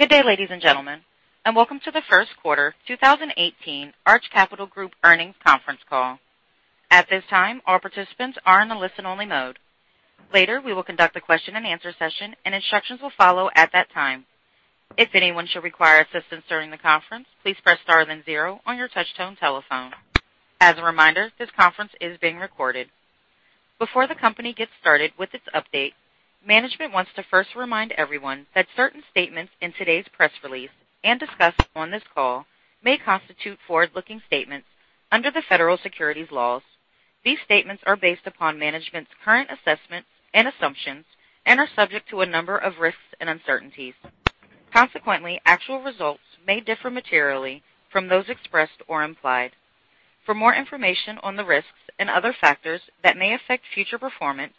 Good day, ladies and gentlemen, and welcome to the first quarter 2018 Arch Capital Group earnings conference call. At this time, all participants are in the listen-only mode. Later, we will conduct a question and answer session, and instructions will follow at that time. If anyone should require assistance during the conference, please press star then 0 on your touch-tone telephone. As a reminder, this conference is being recorded. Before the company gets started with its update, management wants to first remind everyone that certain statements in today's press release and discussed on this call may constitute forward-looking statements under the federal securities laws. These statements are based upon management's current assessments and assumptions and are subject to a number of risks and uncertainties. Consequently, actual results may differ materially from those expressed or implied. For more information on the risks and other factors that may affect future performance,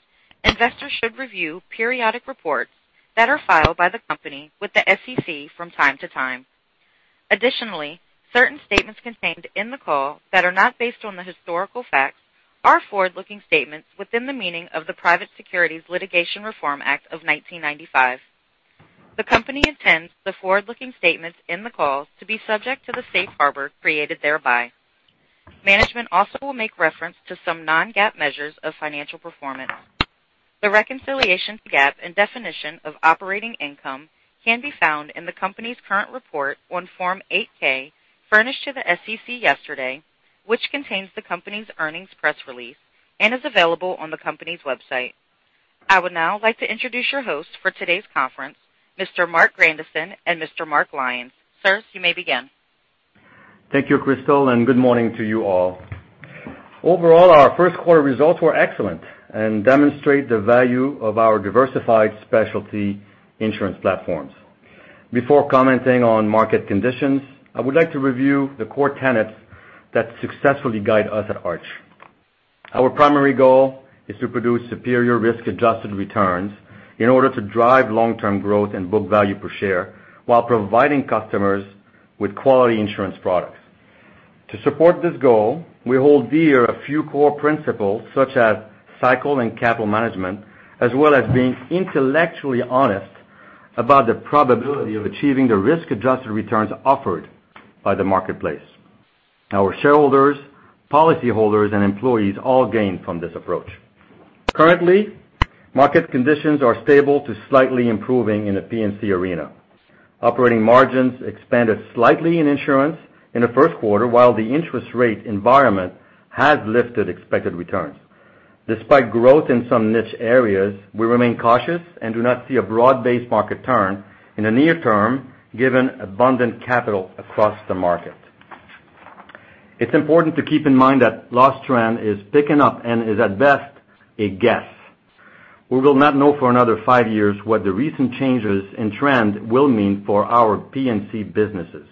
investors should review periodic reports that are filed by the company with the SEC from time to time. Additionally, certain statements contained in the call that are not based on the historical facts are forward-looking statements within the meaning of the Private Securities Litigation Reform Act of 1995. The company intends the forward-looking statements in the call to be subject to the safe harbor created thereby. Management also will make reference to some non-GAAP measures of financial performance. The reconciliation to GAAP and definition of operating income can be found in the company's current report on Form 8-K furnished to the SEC yesterday, which contains the company's earnings press release and is available on the company's website. I would now like to introduce your hosts for today's conference, Mr. Marc Grandisson and Mr. Mark Lyons. Sirs, you may begin. Thank you, Crystal, and good morning to you all. Overall, our first quarter results were excellent and demonstrate the value of our diversified specialty insurance platforms. Before commenting on market conditions, I would like to review the core tenets that successfully guide us at Arch. Our primary goal is to produce superior risk-adjusted returns in order to drive long-term growth and book value per share while providing customers with quality insurance products. To support this goal, we hold dear a few core principles such as cycle and capital management, as well as being intellectually honest about the probability of achieving the risk-adjusted returns offered by the marketplace. Our shareholders, policyholders, and employees all gain from this approach. Currently, market conditions are stable to slightly improving in the P&C arena. Operating margins expanded slightly in insurance in the first quarter, while the interest rate environment has lifted expected returns. Despite growth in some niche areas, we remain cautious and do not see a broad-based market turn in the near term given abundant capital across the market. It's important to keep in mind that loss trend is picking up and is, at best, a guess. We will not know for another five years what the recent changes in trend will mean for our P&C businesses.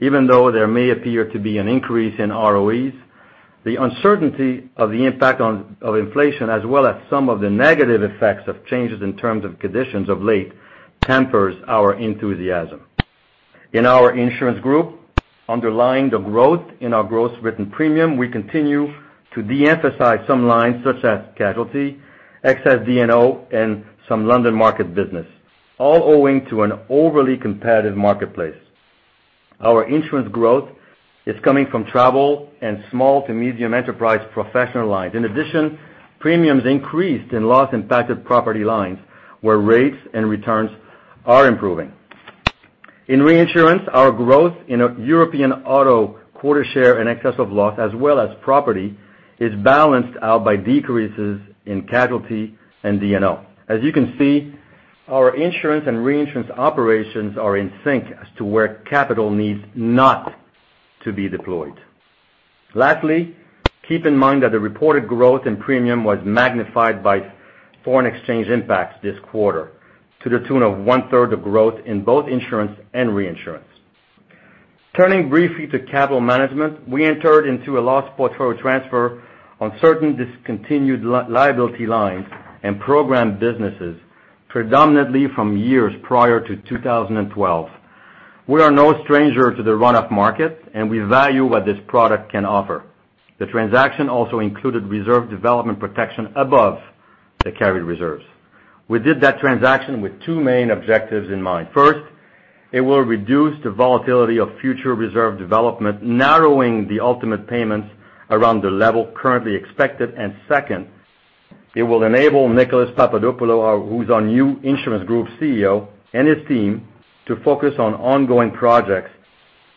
Even though there may appear to be an increase in ROEs, the uncertainty of the impact of inflation as well as some of the negative effects of changes in terms of conditions of late tempers our enthusiasm. In our insurance group underlying the growth in our gross written premium, we continue to de-emphasize some lines such as casualty, excess D&O, and some London market business, all owing to an overly competitive marketplace. Our insurance growth is coming from travel and small to medium enterprise professional lines. In addition, premiums increased in loss impacted property lines where rates and returns are improving. In reinsurance, our growth in European auto quarter share and excess of loss as well as property is balanced out by decreases in casualty and D&O. As you can see, our insurance and reinsurance operations are in sync as to where capital needs not to be deployed. Lastly, keep in mind that the reported growth in premium was magnified by foreign exchange impacts this quarter to the tune of one-third of growth in both insurance and reinsurance. Turning briefly to capital management, we entered into a loss portfolio transfer on certain discontinued liability lines and program businesses, predominantly from years prior to 2012. We are no stranger to the run-off market, and we value what this product can offer. The transaction also included reserve development protection above the carried reserves. We did that transaction with two main objectives in mind. First, it will reduce the volatility of future reserve development, narrowing the ultimate payments around the level currently expected. Second, it will enable Nicolas Papadopoulo, who's our new insurance group CEO, and his team to focus on ongoing projects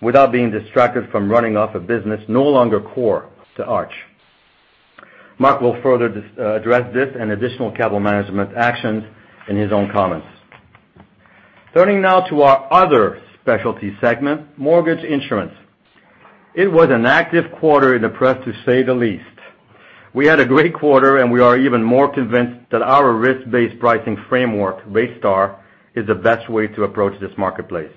without being distracted from running off a business no longer core to Arch. Mark will further address this and additional capital management actions in his own comments. Turning now to our other specialty segment, mortgage insurance. It was an active quarter in the press to say the least. We had a great quarter, and we are even more convinced that our risk-based pricing framework, RateStar, is the best way to approach this marketplace.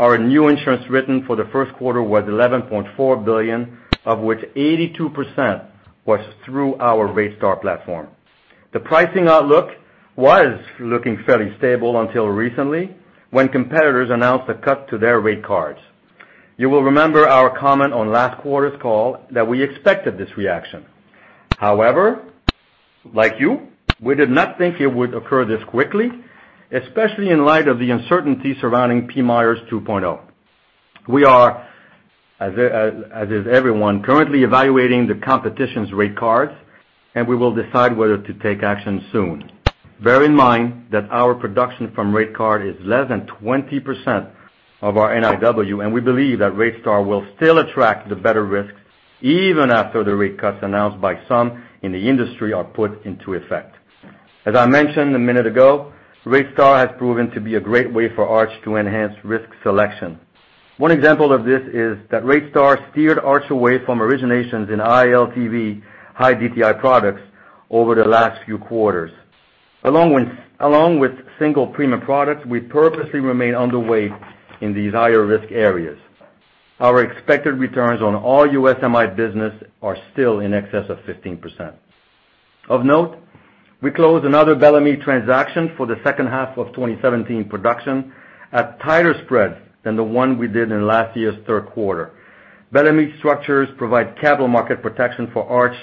Our new insurance written for the first quarter was $11.4 billion, of which 82% was through our RateStar platform. The pricing outlook was looking fairly stable until recently, when competitors announced a cut to their rate cards. You will remember our comment on last quarter's call that we expected this reaction. Like you, we did not think it would occur this quickly, especially in light of the uncertainty surrounding PMIERs 2.0. We are, as is everyone, currently evaluating the competition's rate cards. We will decide whether to take action soon. Bear in mind that our production from rate card is less than 20% of our NIW. We believe that RateStar will still attract the better risks even after the rate cuts announced by some in the industry are put into effect. As I mentioned a minute ago, RateStar has proven to be a great way for Arch to enhance risk selection. One example of this is that RateStar steered Arch away from originations in high LTV high DTI products over the last few quarters. Along with single premium products, we purposely remain underweight in these higher risk areas. Our expected returns on all U.S. MI business are still in excess of 15%. Of note, we closed another Bellemeade transaction for the second half of 2017 production at tighter spreads than the one we did in last year's third quarter. Bellemeade structures provide capital market protection for Arch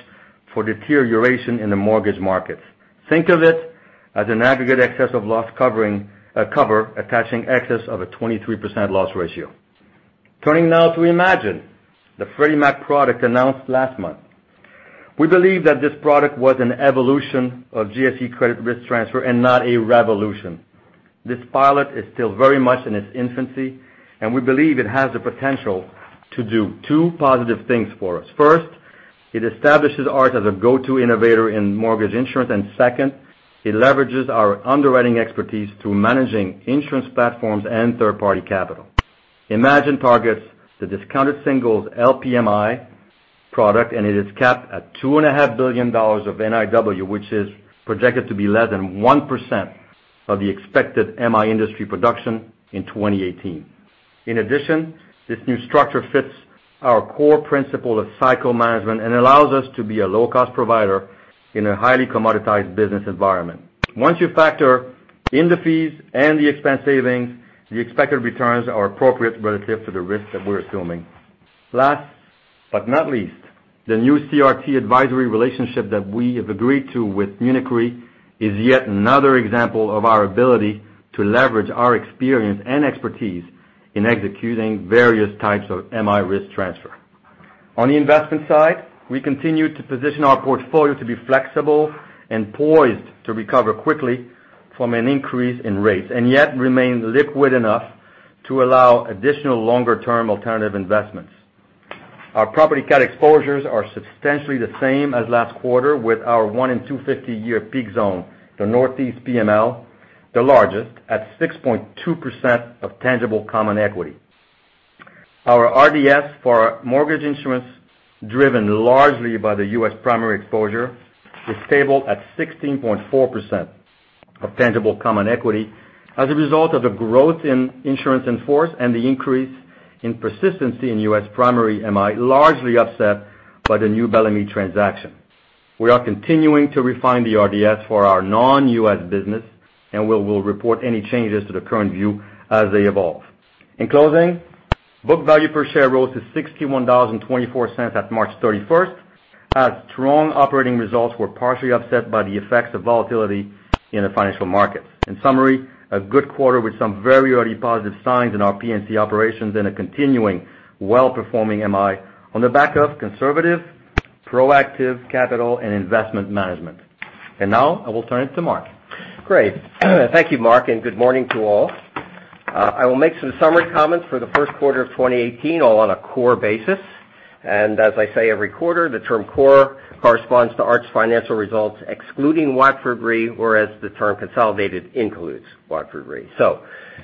for deterioration in the mortgage markets. Think of it as an aggregate excess of loss cover, attaching excess of a 23% loss ratio. Turning now to Imagine, the Freddie Mac product announced last month. We believe that this product was an evolution of GSE credit risk transfer and not a revolution. This pilot is still very much in its infancy. We believe it has the potential to do two positive things for us. First, it establishes Arch as a go-to innovator in mortgage insurance. Second, it leverages our underwriting expertise through managing insurance platforms and third-party capital. Imagine targets the discounted singles LPMI product. It is capped at $2.5 billion of NIW, which is projected to be less than 1% of the expected MI industry production in 2018. In addition, this new structure fits our core principle of cycle management and allows us to be a low-cost provider in a highly commoditized business environment. Once you factor in the fees and the expense savings, the expected returns are appropriate relative to the risk that we're assuming. Last but not least, the new CRT advisory relationship that we have agreed to with Munich Re is yet another example of our ability to leverage our experience and expertise in executing various types of MI risk transfer. On the investment side, we continue to position our portfolio to be flexible and poised to recover quickly from an increase in rates, yet remain liquid enough to allow additional longer-term alternative investments. Our property cat exposures are substantially the same as last quarter with our one-in-250-year peak zone, the Northeast PML, the largest at 6.2% of tangible common equity. Our RDS for our mortgage insurance, driven largely by the U.S. primary exposure, is stable at 16.4% of tangible common equity as a result of the growth in insurance in force and the increase in persistency in U.S. primary MI, largely offset by the new Bellemeade transaction. We are continuing to refine the RDS for our non-U.S. business. We will report any changes to the current view as they evolve. In closing, book value per share rose to $61.24 at March 31st, as strong operating results were partially offset by the effects of volatility in the financial markets. In summary, a good quarter with some very early positive signs in our P&C operations and a continuing well-performing MI on the back of conservative, proactive capital and investment management. Now I will turn it to Mark. Great. Thank you, Mark, and good morning to all. I will make some summary comments for the first quarter of 2018, all on a core basis. As I say every quarter, the term core corresponds to Arch's financial results, excluding Watford Re, whereas the term consolidated includes Watford Re.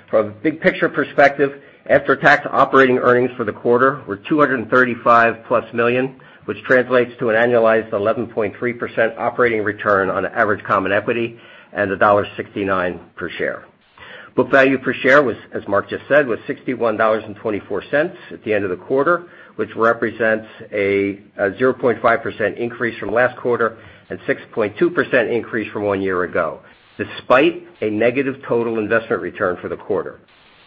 From a big picture perspective, after-tax operating earnings for the quarter were $235-plus million, which translates to an annualized 11.3% operating return on average common equity and $1.69 per share. Book value per share, as Mark just said, was $61.24 at the end of the quarter, which represents a 0.5% increase from last quarter and 6.2% increase from one year ago, despite a negative total investment return for the quarter.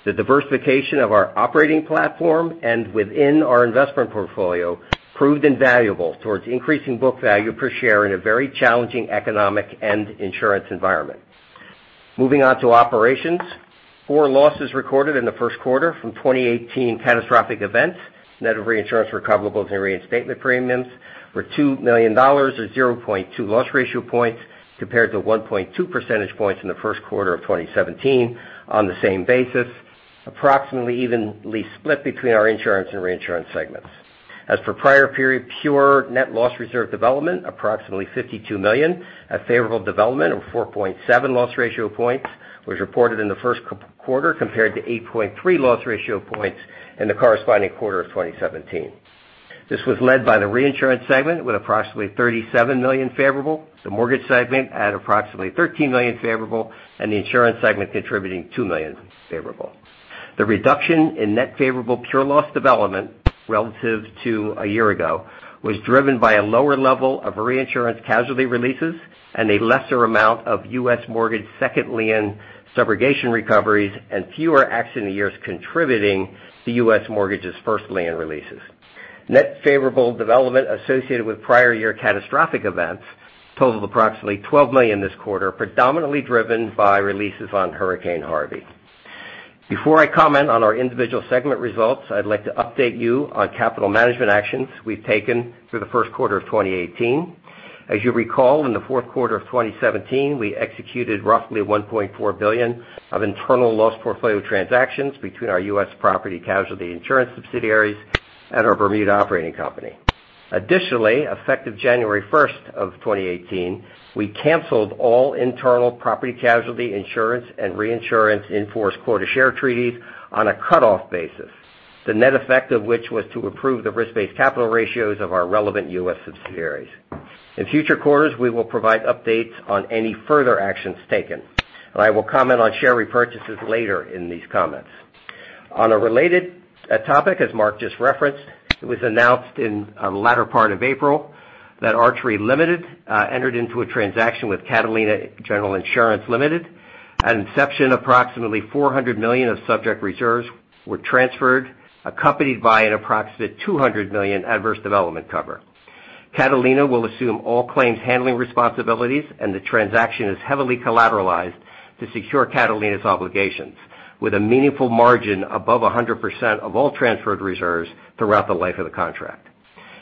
The diversification of our operating platform and within our investment portfolio proved invaluable towards increasing book value per share in a very challenging economic and insurance environment. Moving on to operations. Four losses recorded in the first quarter from 2018 catastrophic events, net of reinsurance recoverables and reinstatement premiums were $2 million, or 0.2 loss ratio points, compared to 1.2 percentage points in the first quarter of 2017 on the same basis, approximately evenly split between our insurance and reinsurance segments. As for prior period pure net loss reserve development, approximately $52 million, a favorable development of 4.7 loss ratio points was reported in the first quarter compared to 8.3 loss ratio points in the corresponding quarter of 2017. This was led by the reinsurance segment with approximately $37 million favorable, the mortgage segment at approximately $13 million favorable, and the insurance segment contributing $2 million favorable. The reduction in net favorable pure loss development relative to a year ago was driven by a lower level of reinsurance casualty releases and a lesser amount of U.S. mortgage second lien subrogation recoveries and fewer accident years contributing to U.S. mortgages first lien releases. Net favorable development associated with prior year catastrophic events totaled approximately $12 million this quarter, predominantly driven by releases on Hurricane Harvey. Before I comment on our individual segment results, I'd like to update you on capital management actions we've taken through the first quarter of 2018. As you recall, in the fourth quarter of 2017, we executed roughly $1.4 billion of internal loss portfolio transactions between our U.S. property casualty insurance subsidiaries and our Bermuda operating company. Additionally, effective January 1st of 2018, we canceled all internal property casualty insurance and reinsurance in force quarter share treaties on a cutoff basis. The net effect of which was to improve the risk-based capital ratios of our relevant U.S. subsidiaries. In future quarters, we will provide updates on any further actions taken, and I will comment on share repurchases later in these comments. On a related topic, as Mark just referenced, it was announced in the latter part of April that Arch Re Limited entered into a transaction with Catalina General Insurance Limited. At inception, approximately $400 million of subject reserves were transferred, accompanied by an approximate $200 million adverse development cover. Catalina will assume all claims handling responsibilities, and the transaction is heavily collateralized to secure Catalina's obligations with a meaningful margin above 100% of all transferred reserves throughout the life of the contract.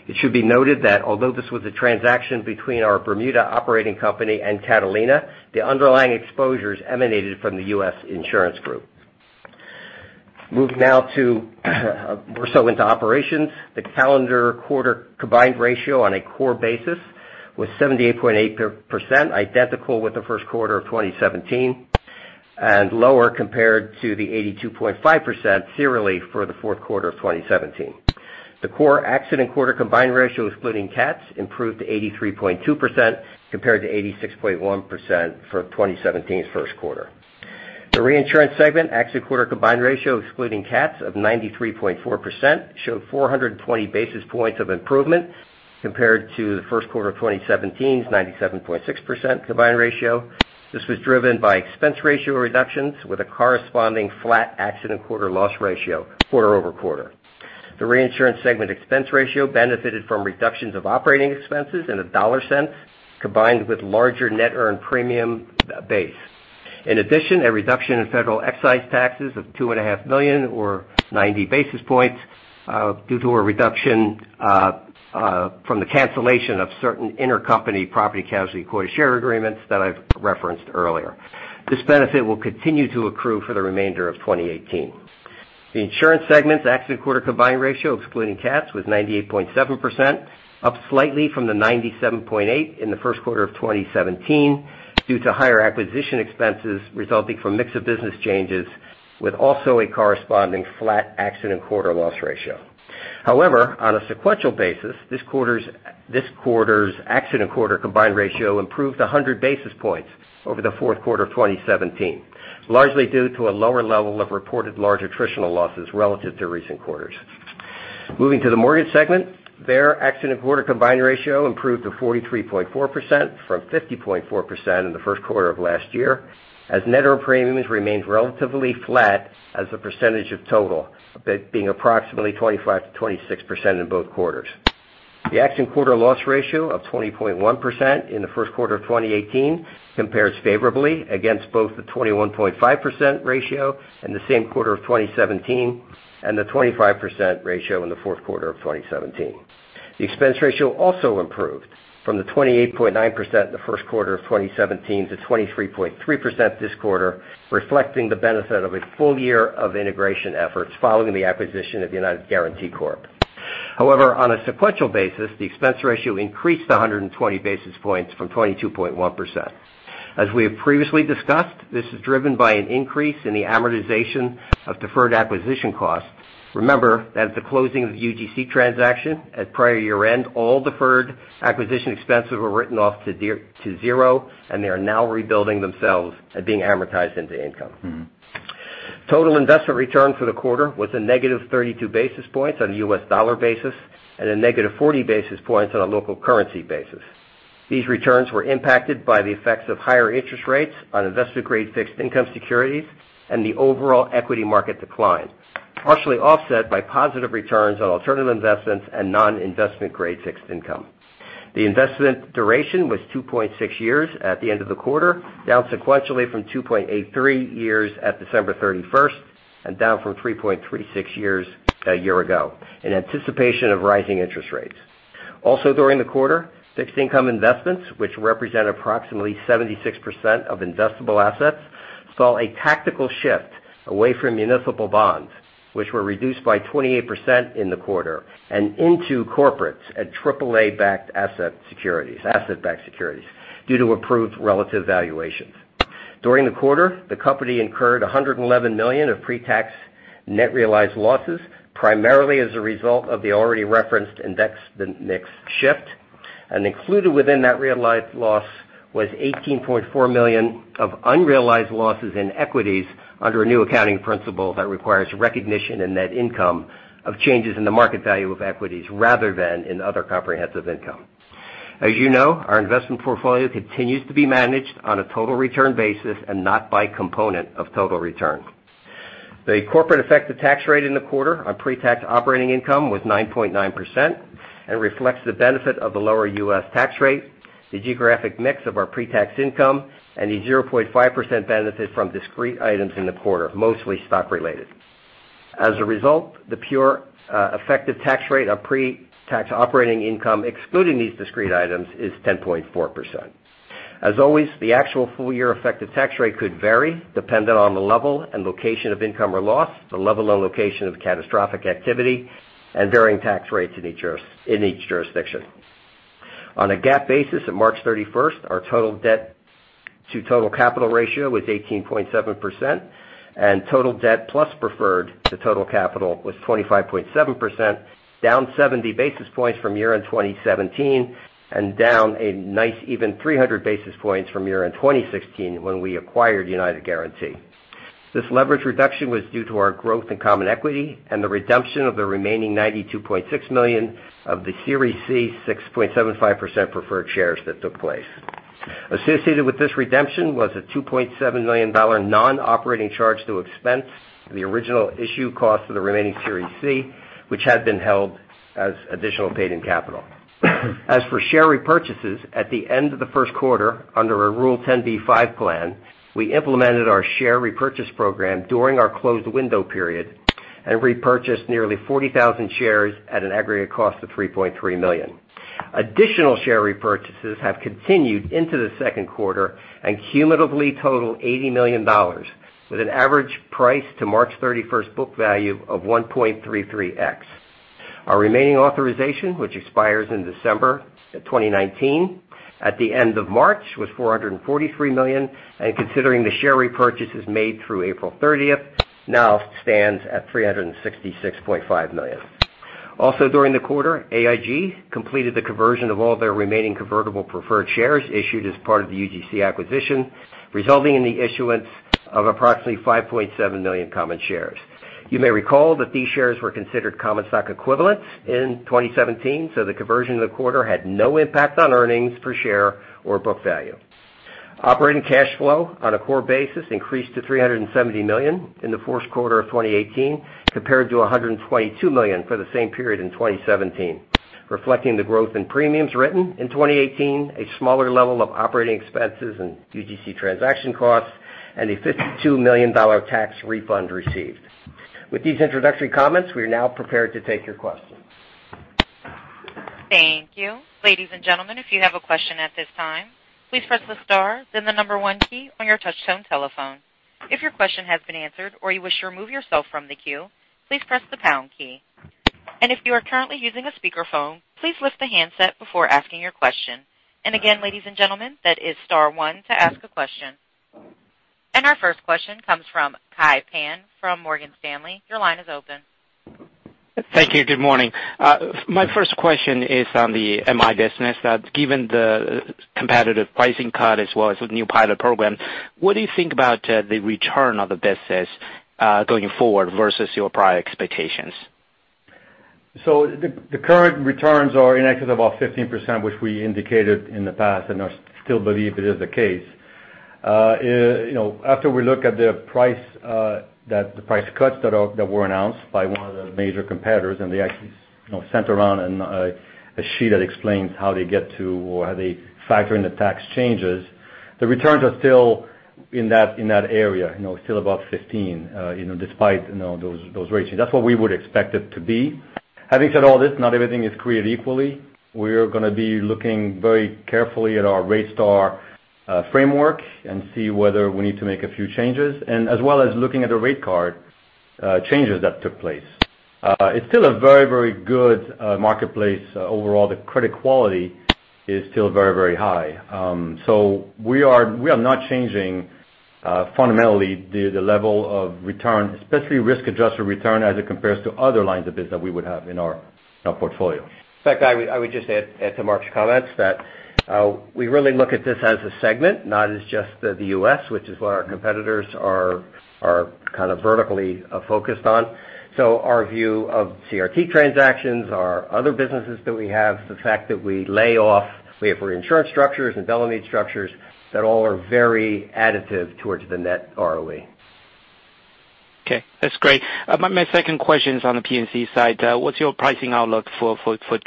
It should be noted that although this was a transaction between our Bermuda operating company and Catalina, the underlying exposures emanated from the U.S. insurance group. Moving now more so into operations. The calendar quarter combined ratio on a core basis was 78.8%, identical with the first quarter of 2017, and lower compared to the 82.5% serially for the fourth quarter of 2017. The core accident quarter combined ratio excluding cats improved to 83.2%, compared to 86.1% for 2017's first quarter. The reinsurance segment accident quarter combined ratio excluding cats of 93.4%, showed 420 basis points of improvement compared to the first quarter of 2017's 97.6% combined ratio. This was driven by expense ratio reductions with a corresponding flat accident quarter loss ratio quarter-over-quarter. The reinsurance segment expense ratio benefited from reductions of operating expenses in a dollar cent combined with larger net earned premium base. In addition, a reduction in federal excise taxes of two and a half million or 90 basis points due to a reduction from the cancellation of certain intercompany property casualty quota share agreements that I've referenced earlier. This benefit will continue to accrue for the remainder of 2018. The insurance segment's accident quarter combined ratio excluding cats was 98.7%, up slightly from the 97.8% in the first quarter of 2017 due to higher acquisition expenses resulting from mix of business changes with also a corresponding flat accident quarter loss ratio. However, on a sequential basis, this quarter's accident quarter combined ratio improved 100 basis points over the fourth quarter of 2017, largely due to a lower level of reported large attritional losses relative to recent quarters. Moving to the mortgage segment. There, accident quarter combined ratio improved to 43.4% from 50.4% in the first quarter of last year, as net earned premiums remained relatively flat as a percentage of total, being approximately 25%-26% in both quarters. The accident quarter loss ratio of 20.1% in the first quarter of 2018 compares favorably against both the 21.5% ratio in the same quarter of 2017 and the 25% ratio in the fourth quarter of 2017. The expense ratio also improved from the 28.9% in the first quarter of 2017 to 23.3% this quarter, reflecting the benefit of a full year of integration efforts following the acquisition of United Guaranty Corp. However, on a sequential basis, the expense ratio increased to 120 basis points from 22.1%. As we have previously discussed, this is driven by an increase in the amortization of deferred acquisition costs. Remember that at the closing of the UGC transaction at prior year-end, all deferred acquisition expenses were written off to zero and they are now rebuilding themselves and being amortized into income. Total investment return for the quarter was a negative 32 basis points on the U.S. dollar basis and a negative 40 basis points on a local currency basis. These returns were impacted by the effects of higher interest rates on investor-grade fixed income securities and the overall equity market decline, partially offset by positive returns on alternative investments and non-investment grade fixed income. The investment duration was 2.6 years at the end of the quarter, down sequentially from 2.83 years at December 31st and down from 3.36 years a year ago in anticipation of rising interest rates. Also during the quarter, fixed income investments, which represent approximately 76% of investable assets, saw a tactical shift away from municipal bonds, which were reduced by 28% in the quarter, and into corporates at AAA-backed asset-backed securities due to improved relative valuations. During the quarter, the company incurred $111 million of pre-tax net realized losses, primarily as a result of the already referenced index mix shift. Included within that realized loss was $18.4 million of unrealized losses in equities under a new accounting principle that requires recognition in net income of changes in the market value of equities rather than in other comprehensive income. As you know, our investment portfolio continues to be managed on a total return basis and not by component of total return. The corporate effective tax rate in the quarter on pre-tax operating income was 9.9% and reflects the benefit of the lower U.S. tax rate, the geographic mix of our pre-tax income, and the 0.5% benefit from discrete items in the quarter, mostly stock related. As a result, the pure effective tax rate on pre-tax operating income excluding these discrete items, is 10.4%. As always, the actual full-year effective tax rate could vary, dependent on the level and location of income or loss, the level and location of catastrophic activity, and varying tax rates in each jurisdiction. On a GAAP basis at March 31st, our total debt to total capital ratio was 18.7%, and total debt plus preferred to total capital was 25.7%, down 70 basis points from year-end 2017, and down a nice even 300 basis points from year-end 2016, when we acquired United Guaranty. This leverage reduction was due to our growth in common equity and the redemption of the remaining $92.6 million of the Series C 6.75% Preferred Shares that took place. Associated with this redemption was a $2.7 million non-operating charge to expense the original issue cost of the remaining Series C, which had been held as additional paid-in capital. As for share repurchases at the end of the first quarter under a Rule 10b5-1 plan, we implemented our share repurchase program during our closed window period and repurchased nearly 40,000 shares at an aggregate cost of $3.3 million. Additional share repurchases have continued into the second quarter and cumulatively total $80 million, with an average price to March 31st book value of 1.33x. Our remaining authorization, which expires in December of 2019, at the end of March, was $443 million, and considering the share repurchases made through April 30th, now stands at $366.5 million. Also during the quarter, AIG completed the conversion of all their remaining convertible preferred shares issued as part of the UGC acquisition, resulting in the issuance of approximately 5.7 million common shares. You may recall that these shares were considered common stock equivalents in 2017, so the conversion in the quarter had no impact on earnings per share or book value. Operating cash flow on a core basis increased to $370 million in the first quarter of 2018 compared to $122 million for the same period in 2017, reflecting the growth in premiums written in 2018, a smaller level of operating expenses and UGC transaction costs, and a $52 million tax refund received. With these introductory comments, we are now prepared to take your questions. Thank you. Ladies and gentlemen, if you have a question at this time, please press the star then the number one key on your touchtone telephone. If your question has been answered or you wish to remove yourself from the queue, please press the pound key. If you are currently using a speakerphone, please lift the handset before asking your question. Again, ladies and gentlemen, that is star one to ask a question. Our first question comes from Kai Pan from Morgan Stanley. Your line is open. Thank you. Good morning. My first question is on the MI business that given the competitive pricing cut as well as the new pilot program, what do you think about the return of the business, going forward versus your prior expectations? The current returns are in excess of about 15%, which we indicated in the past and I still believe it is the case. After we look at the price cuts that were announced by one of the major competitors, and they actually sent around a sheet that explains how they get to, or how they factor in the tax changes, the returns are still in that area, still above 15%, despite those rates. That's what we would expect it to be. Having said all this, not everything is created equally. We're going to be looking very carefully at our RateStar framework and see whether we need to make a few changes, and as well as looking at the rate card changes that took place. It's still a very, very good marketplace overall. The credit quality is still very, very high. We are not changing fundamentally the level of return, especially risk-adjusted return as it compares to other lines of business we would have in our portfolio. In fact, I would just add to Marc's comments that we really look at this as a segment, not as just the U.S., which is what our competitors are kind of vertically focused on. Our view of CRT transactions, our other businesses that we have, the fact that we lay off, we have reinsurance structures and deline structures that all are very additive towards the net ROE. Okay, that's great. My second question is on the P&C side. What's your pricing outlook for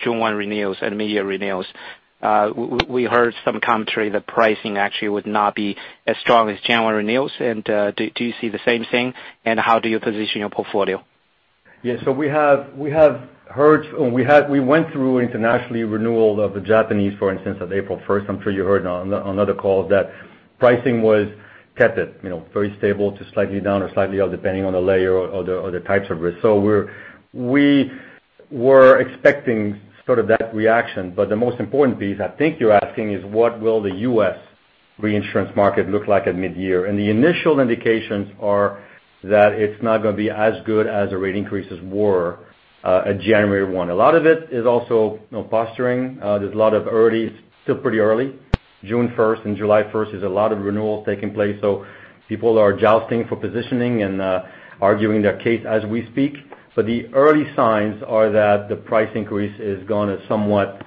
June 1 renewals and mid-year renewals? We heard some commentary that pricing actually would not be as strong as January renewals, and do you see the same thing, and how do you position your portfolio? We went through internationally renewal of the Japanese, for instance, as of April 1st. I'm sure you heard on other calls that pricing was kept at very stable to slightly down or slightly up, depending on the layer or the types of risk. We were expecting sort of that reaction, but the most important piece, I think you're asking is what will the U.S. reinsurance market look like at mid-year. The initial indications are that it's not going to be as good as the rate increases were at January 1. A lot of it is also posturing. It's still pretty early. June 1st and July 1st is a lot of renewals taking place, so people are jousting for positioning and arguing their case as we speak. The early signs are that the price increase is going to somewhat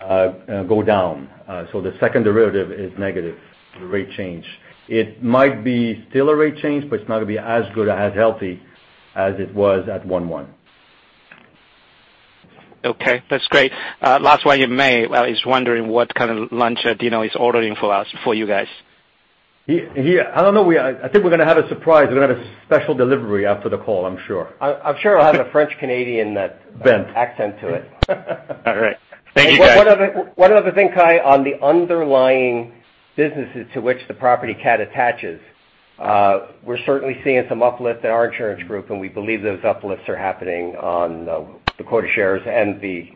go down. The second derivative is negative rate change. It might be still a rate change, but it's not going to be as good or as healthy as it was at one one. Okay, that's great. Last one, well, I was wondering what kind of lunch Dino is ordering for you guys. I don't know. I think we're going to have a surprise. We're going to have a special delivery after the call, I'm sure. I'm sure it'll have a French-Canadian- Bien accent to it. All right. Thank you, guys. One other thing, Kai, on the underlying businesses to which the property cat attaches, we're certainly seeing some uplift in our insurance group, and we believe those uplifts are happening on the quota shares and the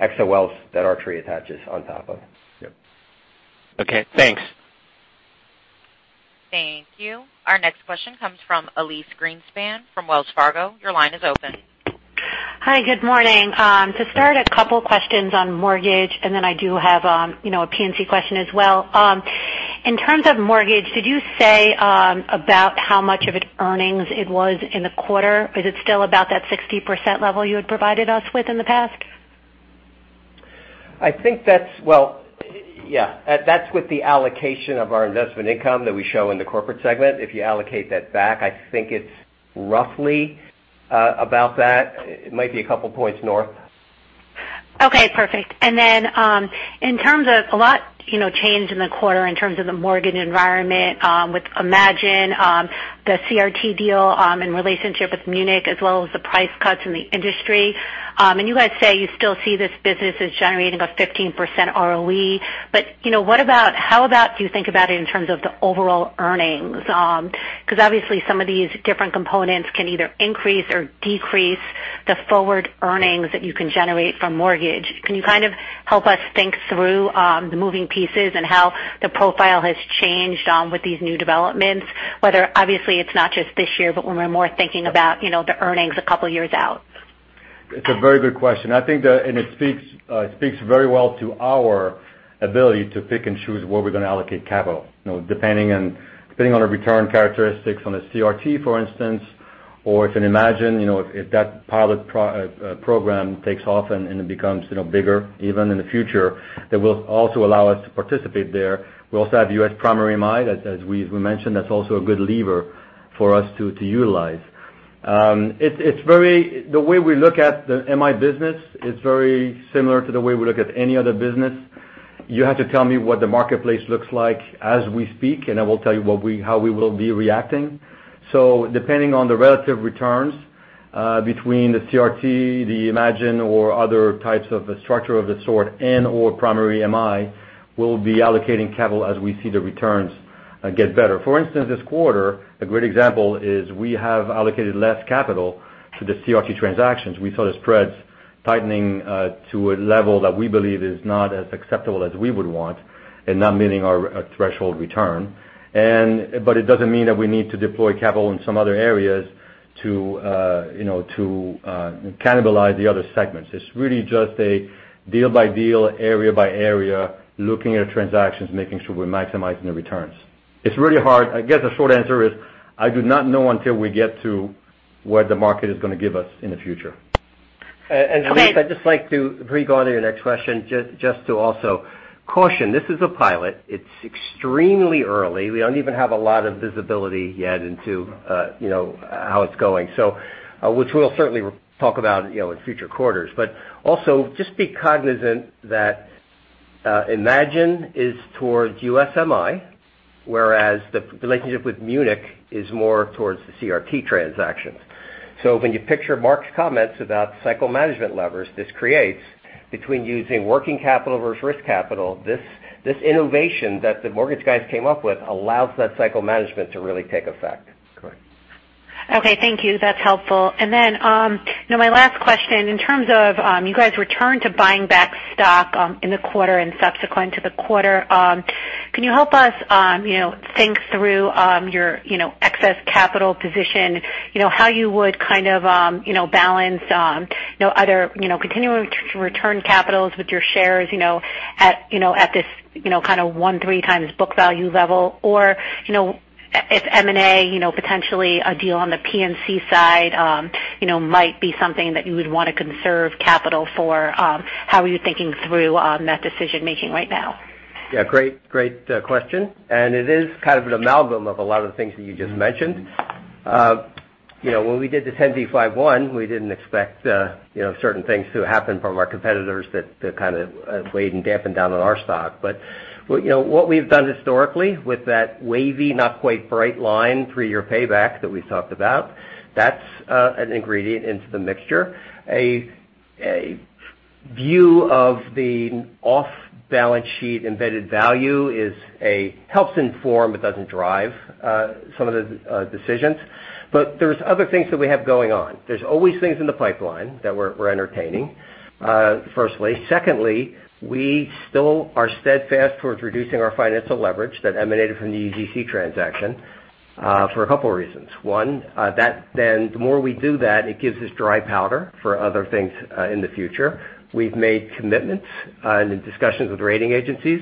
XOLs that Arch Re attaches on top of. Yep. Okay, thanks. Thank you. Our next question comes from Elyse Greenspan from Wells Fargo. Your line is open. Hi, good morning. To start, a couple questions on mortgage, then I do have a P&C question as well. In terms of mortgage, did you say about how much of its earnings it was in the quarter? Is it still about that 60% level you had provided us with in the past? I think that's, well, yeah. That's with the allocation of our investment income that we show in the corporate segment. If you allocate that back, I think it's roughly about that. It might be a couple points north. Okay, perfect. In terms of a lot change in the quarter in terms of the mortgage environment, with Imagine, the CRT deal, and relationship with Munich, as well as the price cuts in the industry. You guys say you still see this business as generating about 15% ROE, but how about do you think about it in terms of the overall earnings? Because obviously some of these different components can either increase or decrease the forward earnings that you can generate from mortgage. Can you kind of help us think through the moving pieces and how the profile has changed with these new developments, whether obviously it's not just this year, but when we're more thinking about the earnings a couple of years out? It's a very good question. I think that it speaks very well to our ability to pick and choose where we're going to allocate capital, depending on our return characteristics on a CRT, for instance, or if an Imagine, if that pilot program takes off and it becomes bigger, even in the future, that will also allow us to participate there. We also have U.S. Primary MI, as we mentioned, that's also a good lever for us to utilize. The way we look at the MI business is very similar to the way we look at any other business. You have to tell me what the marketplace looks like as we speak, I will tell you how we will be reacting. Depending on the relative returns between the CRT, the Imagine, or other types of structure of the sort, and/or Primary MI, we'll be allocating capital as we see the returns get better. For instance, this quarter, a great example is we have allocated less capital to the CRT transactions. We saw the spreads tightening to a level that we believe is not as acceptable as we would want, and not meeting our threshold return. It doesn't mean that we need to deploy capital in some other areas to cannibalize the other segments. It's really just a deal-by-deal, area-by-area, looking at transactions, making sure we're maximizing the returns. It's really hard. I guess the short answer is, I do not know until we get to what the market is going to give us in the future. Okay. Elyse, I'd just like to go on to your next question, just to also caution, this is a pilot. It's extremely early. We don't even have a lot of visibility yet into how it's going. Which we'll certainly talk about in future quarters. Also just be cognizant that Imagine is towards U.S. MI, whereas the relationship with Munich is more towards the CRT transactions. When you picture Mark's comments about cycle management levers, this creates between using working capital versus risk capital, this innovation that the mortgage guys came up with allows that cycle management to really take effect. Correct. Okay, thank you. That's helpful. My last question, in terms of you guys return to buying back stock in the quarter and subsequent to the quarter, can you help us think through your excess capital position, how you would kind of balance other continuing to return capitals with your shares at this kind of 1x-3x book value level? Or if M&A potentially a deal on the P&C side might be something that you would want to conserve capital for. How are you thinking through that decision-making right now? Yeah, great question. It is kind of an amalgam of a lot of the things that you just mentioned. When we did the 10b5-1, we didn't expect certain things to happen from our competitors that kind of weighed and dampened down on our stock. What we've done historically with that wavy, not quite bright line, three-year payback that we talked about, that's an ingredient into the mixture. A view of the off-balance sheet embedded value helps inform, but doesn't drive some of the decisions. There's other things that we have going on. There's always things in the pipeline that we're entertaining, firstly. Secondly, we still are steadfast towards reducing our financial leverage that emanated from the UGC transaction for a couple of reasons. One, the more we do that, it gives us dry powder for other things in the future. We've made commitments in the discussions with rating agencies,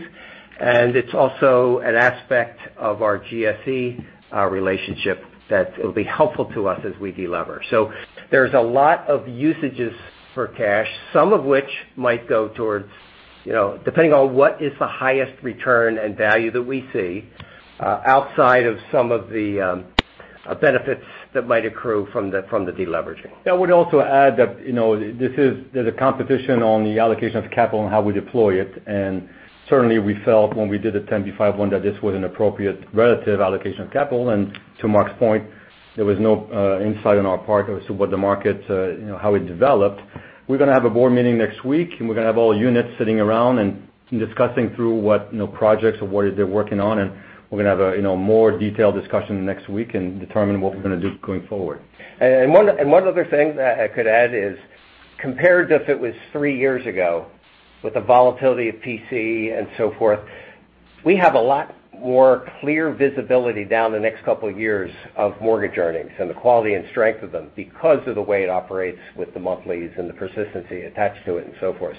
it's also an aspect of our GSE relationship that it'll be helpful to us as we de-lever. There's a lot of usages for cash, some of which might go towards, depending on what is the highest return and value that we see outside of some of the benefits that might accrue from the de-leveraging. I would also add that there's a competition on the allocation of capital and how we deploy it. Certainly we felt when we did the 10b5-1 that this was an appropriate relative allocation of capital, and to Mark's point, there was no insight on our part as to what the market, how it developed. We're going to have a board meeting next week, we're going to have all units sitting around and discussing through what projects or what it is they're working on, we're going to have a more detailed discussion next week and determine what we're going to do going forward. One other thing that I could add is compared if it was three years ago with the volatility of P&C and so forth, we have a lot more clear visibility down the next couple of years of mortgage earnings and the quality and strength of them because of the way it operates with the monthlies and the persistency attached to it and so forth.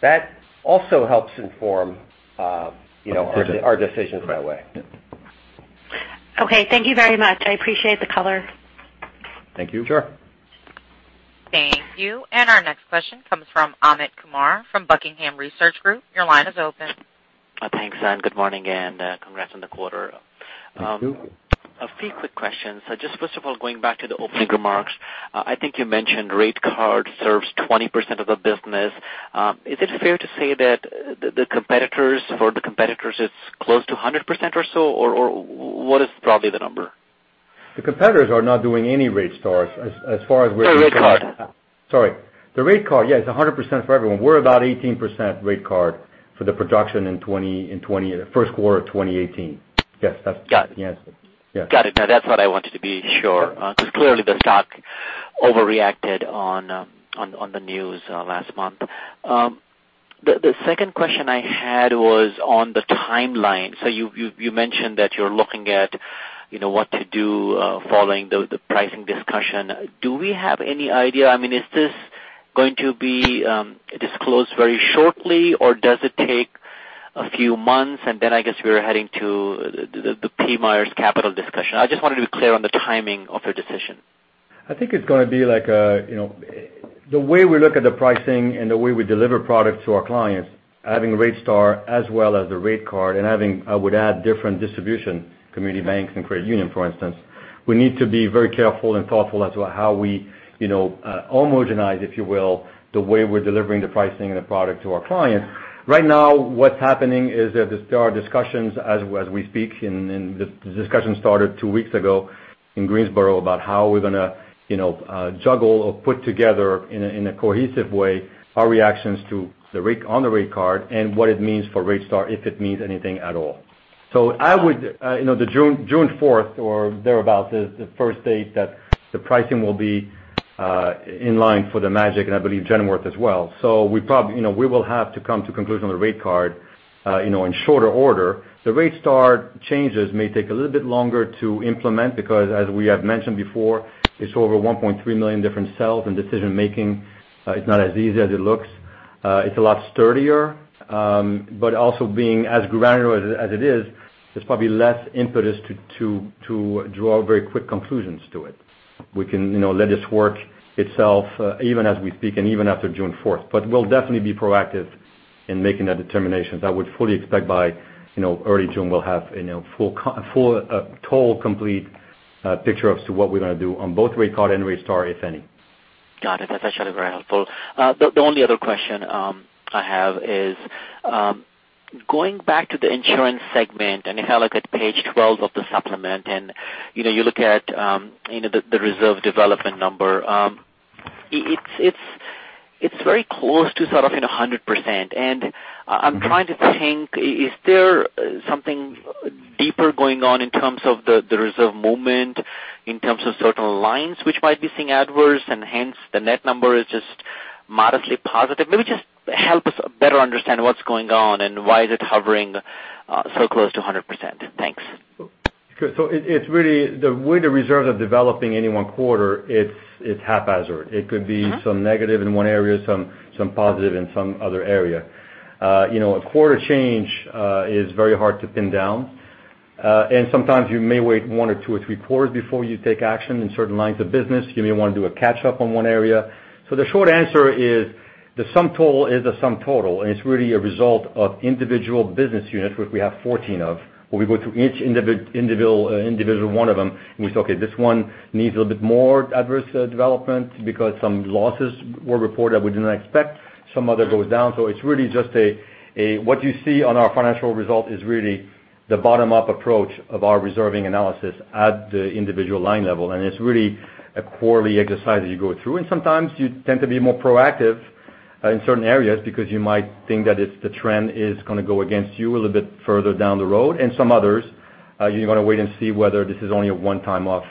That also helps inform. Decisions our decisions that way. Correct. Yep. Okay. Thank you very much. I appreciate the color. Thank you. Sure. Thank you. Our next question comes from Amit Kumar from Buckingham Research Group. Your line is open. Thanks. Good morning, and congrats on the quarter. Thank you. A few quick questions. Just first of all, going back to the opening remarks, I think you mentioned RateStar serves 20% of the business. Is it fair to say that for the competitors it's close to 100% or so, or what is probably the number? The competitors are not doing any RateStar as far as we're concerned. Sorry, RateCard. Sorry. The RateCard, yeah, it's 100% for everyone. We're about 18% RateCard for the production in first quarter of 2018. Yes, that's the answer. Got it. Yes. Got it. That's what I wanted to be sure. Clearly the stock overreacted on the news last month. The second question I had was on the timeline. You mentioned that you're looking at what to do following the pricing discussion. Do we have any idea? I mean, is this going to be disclosed very shortly, or does it take a few months, and then I guess we're heading to the PMIERs capital discussion? I just wanted to be clear on the timing of your decision. I think it's going to be the way we look at the pricing and the way we deliver products to our clients, having RateStar as well as the RateCard and having, I would add different distribution, community banks and credit union, for instance. We need to be very careful and thoughtful as to how we homogenize, if you will, the way we're delivering the pricing and the product to our clients. Right now, what's happening is there are discussions as we speak, and the discussion started 2 weeks ago in Greensboro about how we're going to juggle or put together in a cohesive way our reactions on the RateCard and what it means for RateStar, if it means anything at all. June 4th or thereabout is the first date that the pricing will be in line for the MGIC, and I believe Genworth as well. We will have to come to conclusion on the RateCard in shorter order. The RateStar changes may take a little bit longer to implement because, as we have mentioned before, it's over 1.3 million different cells in decision making. It's not as easy as it looks. It's a lot sturdier. Also being as granular as it is, there's probably less impetus to draw very quick conclusions to it. We can let this work itself even as we speak and even after June 4th. We'll definitely be proactive in making that determination. I would fully expect by early June, we'll have a full, total complete picture as to what we're going to do on both RateCard and RateStar, if any. Got it. That's actually very helpful. The only other question I have is going back to the insurance segment, and if I look at page 12 of the supplement, and you look at the reserve development number. It's very close to sort of in 100%. I'm trying to think, is there something deeper going on in terms of the reserve movement, in terms of certain lines which might be seeing adverse, and hence the net number is just modestly positive? Maybe just help us better understand what's going on, and why is it hovering so close to 100%. Thanks. Sure. The way the reserves are developing any one quarter, it's haphazard. It could be some negative in one area, some positive in some other area. A quarter change is very hard to pin down. Sometimes you may wait one or two or three quarters before you take action in certain lines of business. You may want to do a catch up on one area. The short answer is the sum total is the sum total, and it's really a result of individual business units, which we have 14 of, where we go through each individual one of them, and we say, "Okay, this one needs a little bit more adverse development because some losses were reported we did not expect. Some other goes down." It's really just a what you see on our financial result is really the bottom-up approach of our reserving analysis at the individual line level, and it's really a quarterly exercise that you go through. Sometimes you tend to be more proactive in certain areas, because you might think that the trend is going to go against you a little bit further down the road. Some others, you're going to wait and see whether this is only a one-time off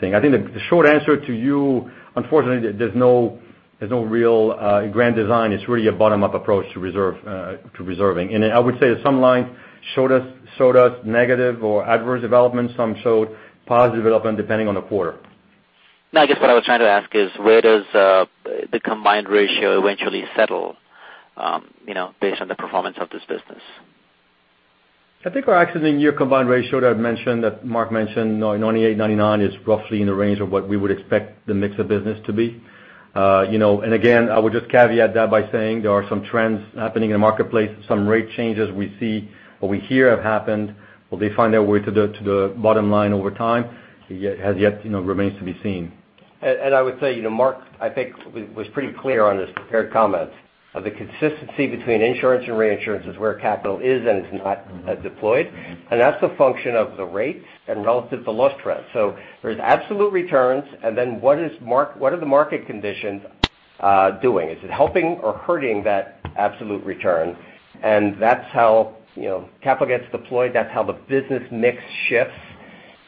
thing. I think the short answer to you, unfortunately, there's no real grand design. It's really a bottom-up approach to reserving. I would say that some lines showed us negative or adverse developments. Some showed positive development depending on the quarter. No, I guess what I was trying to ask is, where does the combined ratio eventually settle based on the performance of this business? I think our accident year combined ratio that Mark mentioned, 98, 99 is roughly in the range of what we would expect the mix of business to be. Again, I would just caveat that by saying there are some trends happening in the marketplace, some rate changes we see or we hear have happened. Will they find their way to the bottom line over time? Has yet remains to be seen. I would say, Mark, I think was pretty clear on his prepared comments. The consistency between insurance and reinsurance is where capital is and is not deployed. That's a function of the rates and relative to loss trends. There's absolute returns, and then what are the market conditions doing? Is it helping or hurting that absolute return? That's how capital gets deployed, that's how the business mix shifts.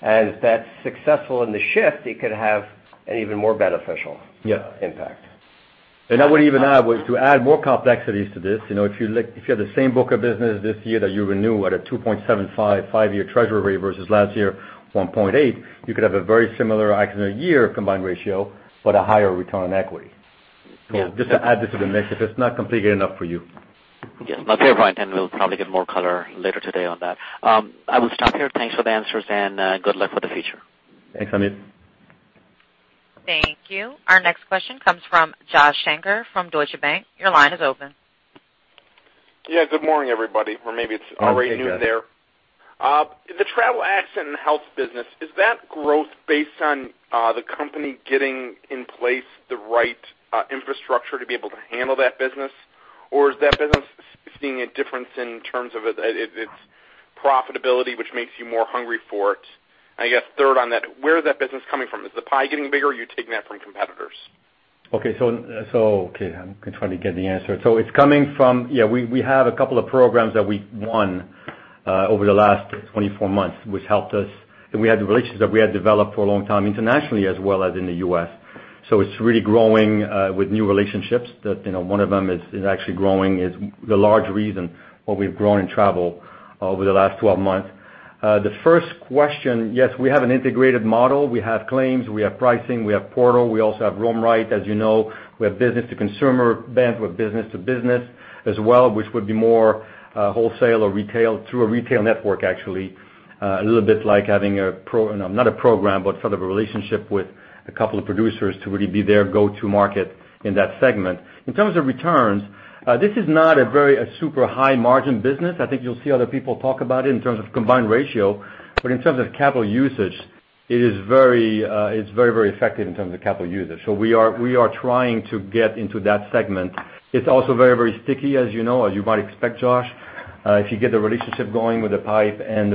If that's successful in the shift, it could have an even more beneficial impact. I would even add, to add more complexities to this, if you have the same book of business this year that you renew at a 2.75 five-year treasury versus last year, 1.8, you could have a very similar accident year combined ratio, but a higher return on equity. Just to add this to the mix, if it's not complicated enough for you. Yes. No, fair point, we'll probably get more color later today on that. I will stop here. Thanks for the answers and good luck for the future. Thanks, Amit. Thank you. Our next question comes from Josh Shanker from Deutsche Bank. Your line is open. Good morning, everybody, or maybe it's already noon there. The travel accident health business, is that growth based on the company getting in place the right infrastructure to be able to handle that business? Or is that business seeing a difference in terms of its profitability, which makes you more hungry for it? I guess third on that, where is that business coming from? Is the pie getting bigger, or are you taking that from competitors? I'm trying to get the answer. It's coming from, we have a couple of programs that we won over the last 24 months, which helped us. We had the relationships that we had developed for a long time internationally as well as in the U.S. It's really growing with new relationships. One of them is actually growing, is the large reason why we've grown in travel over the last 12 months. The first question, yes, we have an integrated model. We have claims, we have pricing, we have portal. We also have RoamRight, as you know. We have business to consumer banks with business to business as well, which would be more wholesale or retail through a retail network, actually. A little bit like having a pro, not a program, but sort of a relationship with a couple of producers to really be their go-to market in that segment. In terms of returns, this is not a very super high margin business. I think you'll see other people talk about it in terms of combined ratio. In terms of capital usage, it's very effective in terms of capital usage. We are trying to get into that segment. It's also very sticky, as you know, as you might expect, Josh. If you get the relationship going with the pipe and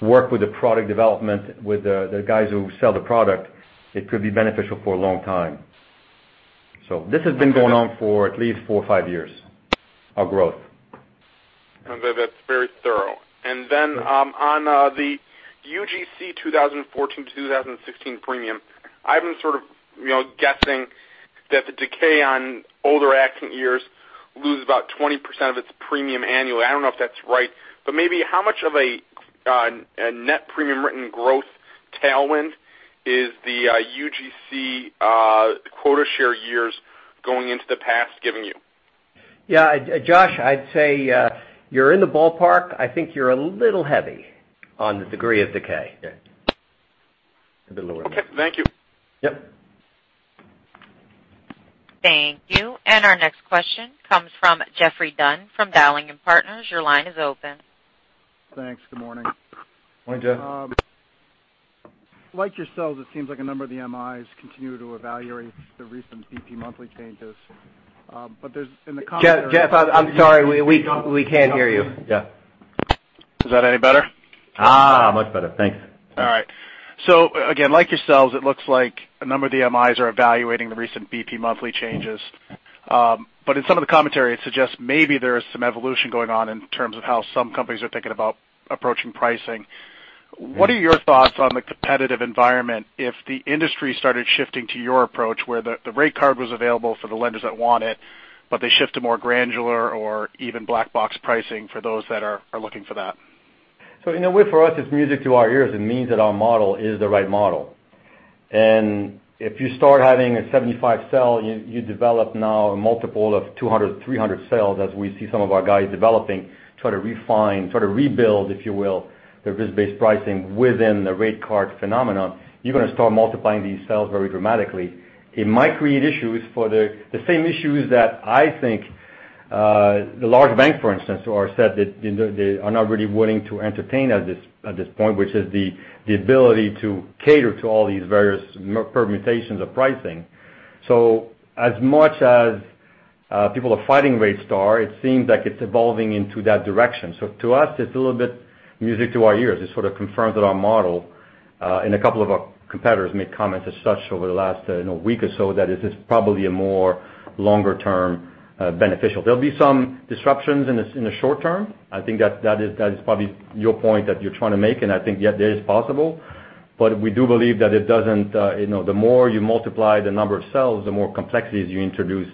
work with the product development with the guys who sell the product, it could be beneficial for a long time. This has been going on for at least four or five years, our growth. That's very thorough. On the UGC 2014 to 2016 premium, I've been sort of guessing that the decay on older accident years lose about 20% of its premium annually. I don't know if that's right. Maybe how much of a net premium written growth tailwind is the UGC quota share years going into the past giving you? Yeah. Josh, I'd say you're in the ballpark. I think you're a little heavy on the degree of decay. Yeah. A bit lower. Okay. Thank you. Yep. Thank you. Our next question comes from Jeffrey Dunn from Dowling & Partners. Your line is open. Thanks. Good morning. Morning, Jeff. Like yourselves, it seems like a number of the MIs continue to evaluate the recent BPMI monthly changes. There's in the commentary. Jeff, I'm sorry, we can't hear you. Yeah. Is that any better? Much better. Thanks. Again, like yourselves, it looks like a number of the MIs are evaluating the recent BPMI monthly changes. In some of the commentary, it suggests maybe there is some evolution going on in terms of how some companies are thinking about approaching pricing. What are your thoughts on the competitive environment if the industry started shifting to your approach where the rate card was available for the lenders that want it, but they shift to more granular or even black box pricing for those that are looking for that? In a way, for us, it's music to our ears. It means that our model is the right model. If you start having a 75 cell, you develop now a multiple of 200, 300 cells as we see some of our guys developing, try to refine, try to rebuild, if you will, the risk-based pricing within the rate card phenomenon. You are going to start multiplying these cells very dramatically. It might create the same issues that I think the large banks, for instance, who are set that they are not really willing to entertain at this point, which is the ability to cater to all these various permutations of pricing. As much as people are fighting RateStar, it seems like it's evolving into that direction. To us, it's a little bit music to our ears. It sort of confirms that our model. A couple of our competitors made comments as such over the last week or so, that this is probably a more longer-term beneficial. There'll be some disruptions in the short-term. I think that is probably your point that you're trying to make, and I think, yes, that is possible. We do believe that the more you multiply the number of cells, the more complexities you introduce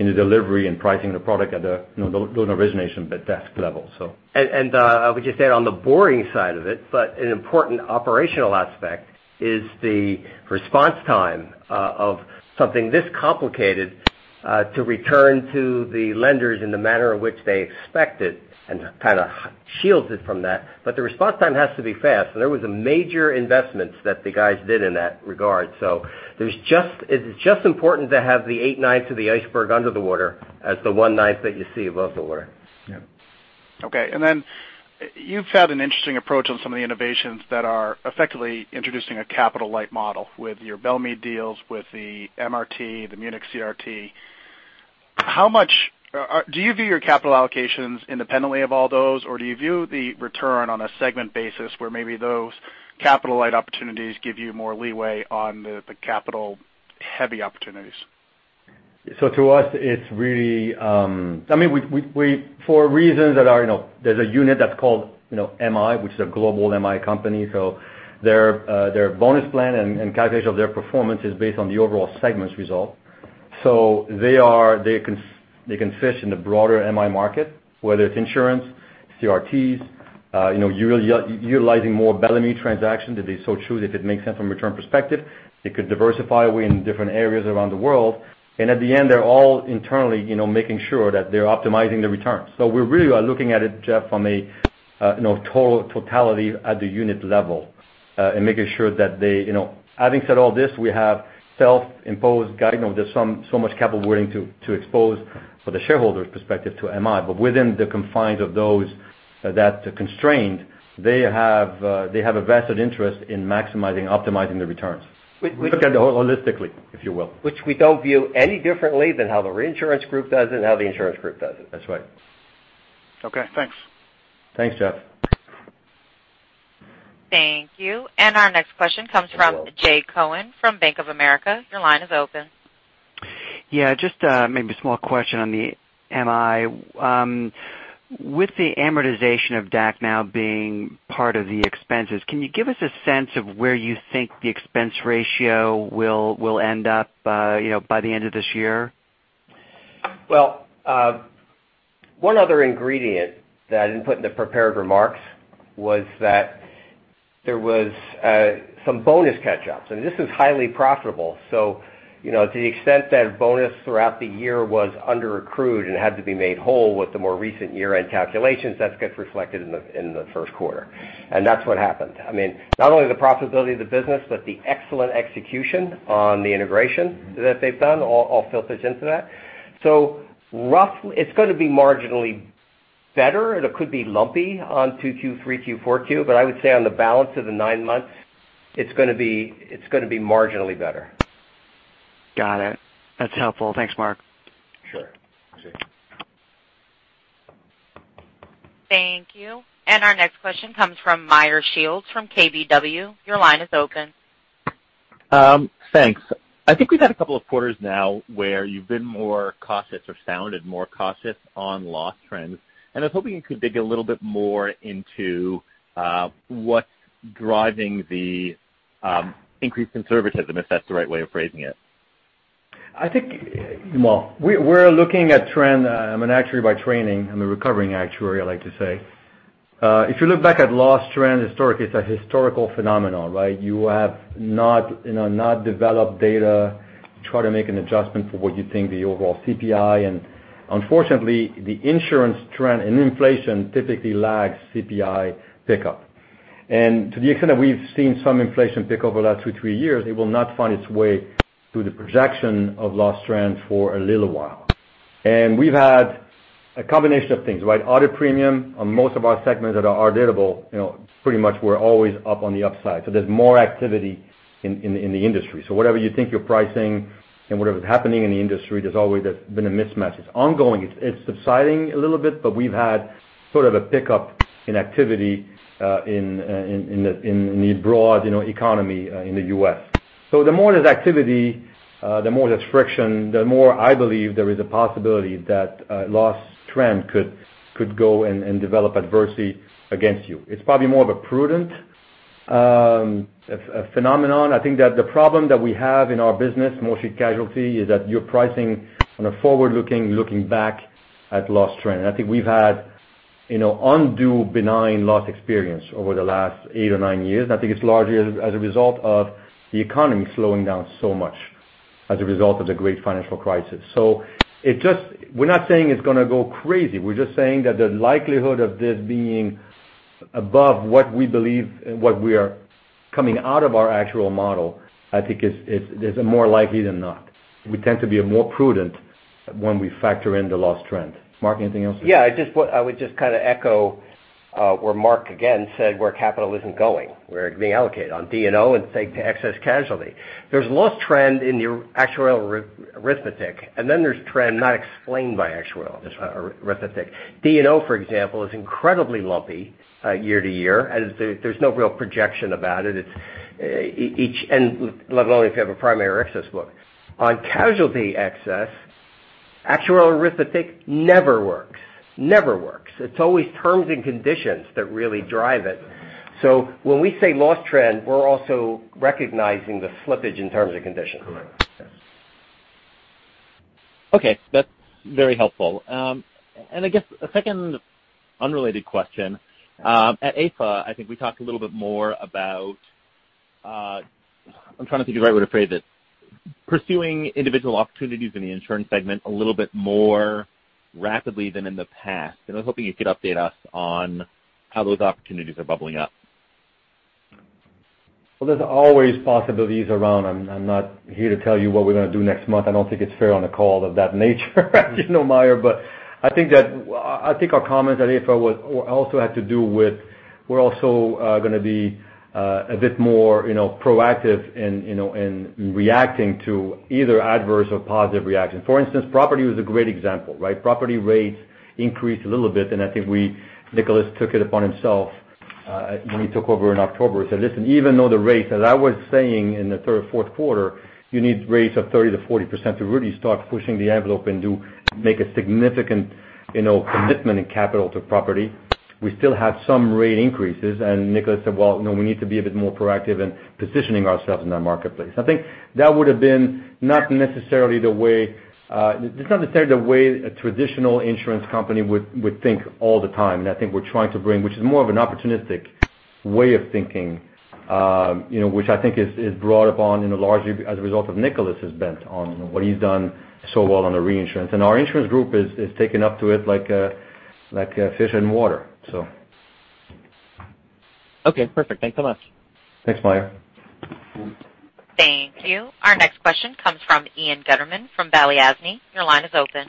in the delivery and pricing of the product at the loan origination, but desk level, so. I would just add on the boring side of it, but an important operational aspect is the response time of something this complicated to return to the lenders in the manner in which they expect it and kind of shields it from that. The response time has to be fast. There was a major investment that the guys did in that regard. It's just important to have the eight-ninths of the iceberg under the water as the one-ninth that you see above the water. Yeah. you've had an interesting approach on some of the innovations that are effectively introducing a capital-light model with your Bellemeade deals with the MRT, the Munich CRT. Do you view your capital allocations independently of all those, or do you view the return on a segment basis where maybe those capital-light opportunities give you more leeway on the capital-heavy opportunities? to us, for reasons that are, there's a unit that's called MI, which is a global MI company, so their bonus plan and calculation of their performance is based on the overall segment's result. they can fish in the broader MI market, whether it's insurance, CRTs, utilizing more Bellemeade transactions if they so choose, if it makes sense from a return perspective. It could diversify away in different areas around the world. at the end, they're all internally making sure that they're optimizing the returns. we really are looking at it, Jeff, from a totality at the unit level and making sure that they Having said all this, we have self-imposed guidance. There's so much capital willing to expose from the shareholders' perspective to MI. But within the confines of that constraint, they have a vested interest in maximizing optimizing the returns. We look at it holistically, if you will. Which we don't view any differently than how the reinsurance group does it and how the insurance group does it. That's right. Okay, thanks. Thanks, Jeff. Thank you. Our next question comes from Jay Cohen from Bank of America. Your line is open. Yeah, just maybe a small question on the MI. With the amortization of DAC now being part of the expenses, can you give us a sense of where you think the expense ratio will end up by the end of this year? Well, one other ingredient that I didn't put in the prepared remarks was that there was some bonus catch-ups. This is highly profitable. To the extent that a bonus throughout the year was underaccrued and had to be made whole with the more recent year-end calculations, that gets reflected in the first quarter. That's what happened. I mean, not only the profitability of the business, but the excellent execution on the integration that they've done all filters into that. Roughly, it's going to be marginally better, and it could be lumpy on 2Q, 3Q, 4Q. I would say on the balance of the nine months, it's going to be marginally better. Got it. That's helpful. Thanks, Mark. Sure. Appreciate it. Thank you. Our next question comes from Meyer Shields from KBW. Your line is open. Thanks. I think we've had a couple of quarters now where you've been more cautious or sounded more cautious on loss trends. I was hoping you could dig a little bit more into what's driving the increased conservatism, if that's the right way of phrasing it. I think, well, we're looking at trend. I'm an actuary by training. I'm a recovering actuary, I like to say. If you look back at loss trend historically, it's a historical phenomenon, right? You have not developed data to try to make an adjustment for what you think the overall CPI and unfortunately, the insurance trend and inflation typically lags CPI pickup. To the extent that we've seen some inflation pick over the last two, three years, it will not find its way to the projection of loss trend for a little while. We've had a combination of things, right? Audit premium on most of our segments that are auditable pretty much we're always up on the upside. There's more activity in the industry. Whatever you think you're pricing and whatever's happening in the industry, there's always been a mismatch. It's ongoing. It's subsiding a little bit, we've had sort of a pickup in activity in the broad economy in the U.S. The more there's activity, the more there's friction, the more I believe there is a possibility that a loss trend could go and develop adversely against you. It's probably more of a prudent phenomenon. I think that the problem that we have in our business, mostly casualty, is that you're pricing on a forward-looking, looking back at loss trend. I think we've had undue benign loss experience over the last eight or nine years. I think it's largely as a result of the economy slowing down so much as a result of the Great Financial Crisis. We're not saying it's going to go crazy. We're just saying that the likelihood of this being above what we believe, what we are coming out of our actual model, I think is more likely than not. We tend to be a more prudent When we factor in the loss trend. Mark, anything else? Yeah, I would just kind of echo where Mark again said where capital isn't going, where it's being allocated, on D&O and say, to excess casualty. There's loss trend in the actuarial arithmetic, and then there's trend not explained by actuarial arithmetic. D&O, for example, is incredibly lumpy year to year, as there's no real projection about it. Let alone if you have a primary excess book. On casualty excess, actuarial arithmetic never works. Never works. It's always terms and conditions that really drive it. When we say loss trend, we're also recognizing the slippage in terms and conditions. Correct. Okay. That's very helpful. I guess a second unrelated question. At AFA, I think we talked a little bit more about, I'm trying to think of the right word to phrase it, pursuing individual opportunities in the insurance segment a little bit more rapidly than in the past. I was hoping you could update us on how those opportunities are bubbling up. Well, there's always possibilities around. I'm not here to tell you what we're going to do next month. I don't think it's fair on a call of that nature, Meyer. I think our comments at AFA also had to do with, we're also going to be a bit more proactive in reacting to either adverse or positive reactions. For instance, property was a great example, right? Property rates increased a little bit, I think Nicolas took it upon himself when he took over in October. He said, listen, even though the rates, as I was saying in the third or fourth quarter, you need rates of 30%-40% to really start pushing the envelope and make a significant commitment in capital to property. We still had some rate increases, Nicolas said, well, we need to be a bit more proactive in positioning ourselves in that marketplace. I think that would've been not necessarily the way a traditional insurance company would think all the time. I think we're trying to bring, which is more of an opportunistic way of thinking, which I think is brought upon largely as a result of Nicolas' bent on what he's done so well on the reinsurance. Our insurance group has taken up to it like fish in water. Okay, perfect. Thanks so much. Thanks, Meyer. Thank you. Our next question comes from Ian Gutterman from Balyasny. Your line is open.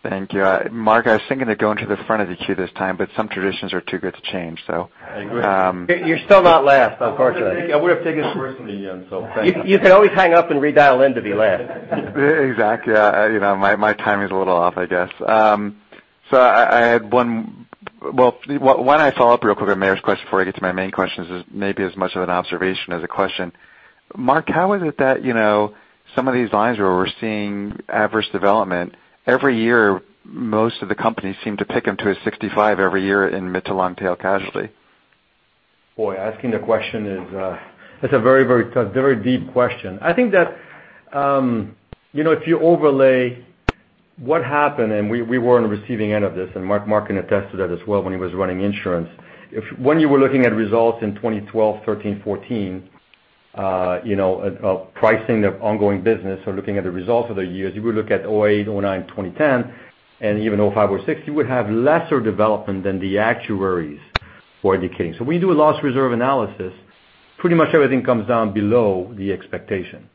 Thank you. Mark, I was thinking of going to the front of the queue this time, but some traditions are too good to change. I agree. You are still not last, unfortunately. I would have taken it personally, Ian, so thank you. You can always hang up and redial in to be last. Exactly. My timing's a little off, I guess. I had one follow-up real quick on Meyer's question before I get to my main questions, is maybe as much of an observation as a question. Mark, how is it that some of these lines where we're seeing adverse development every year, most of the companies seem to pick them to a 65 every year in mid to long tail casualty? Boy, asking the question is a very deep question. I think that if you overlay what happened, and we were on the receiving end of this, and Mark can attest to that as well when he was running insurance. When you were looking at results in 2012, 2013, 2014, pricing of ongoing business or looking at the results of the years, you would look at 2008, 2009, 2010, and even 2005, 2006, you would have lesser development than the actuaries were indicating. When you do a loss reserve analysis, pretty much everything comes down below the expectation.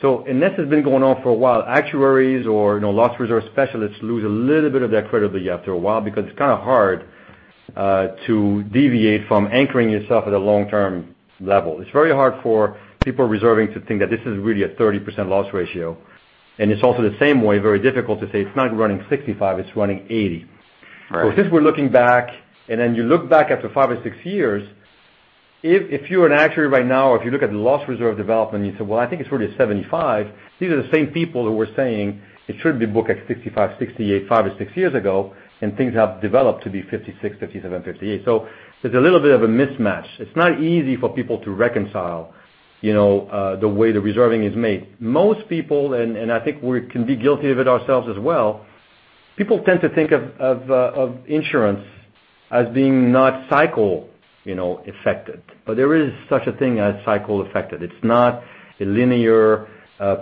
This has been going on for a while. Actuaries or loss reserve specialists lose a little bit of their credibility after a while because it's kind of hard to deviate from anchoring yourself at a long-term level. It's very hard for people reserving to think that this is really a 30% loss ratio, and it's also the same way, very difficult to say it's not running 65, it's running 80. Right. Since we're looking back, you look back after five or six years, if you are an actuary right now, or if you look at the loss reserve development, and you say, well, I think it's really a 75, these are the same people who were saying it should be booked at 65, 68, five or six years ago, and things have developed to be 56, 57, 58. There's a little bit of a mismatch. It's not easy for people to reconcile the way the reserving is made. Most people, and I think we can be guilty of it ourselves as well, people tend to think of insurance as being not cycle affected, but there is such a thing as cycle affected. It's not a linear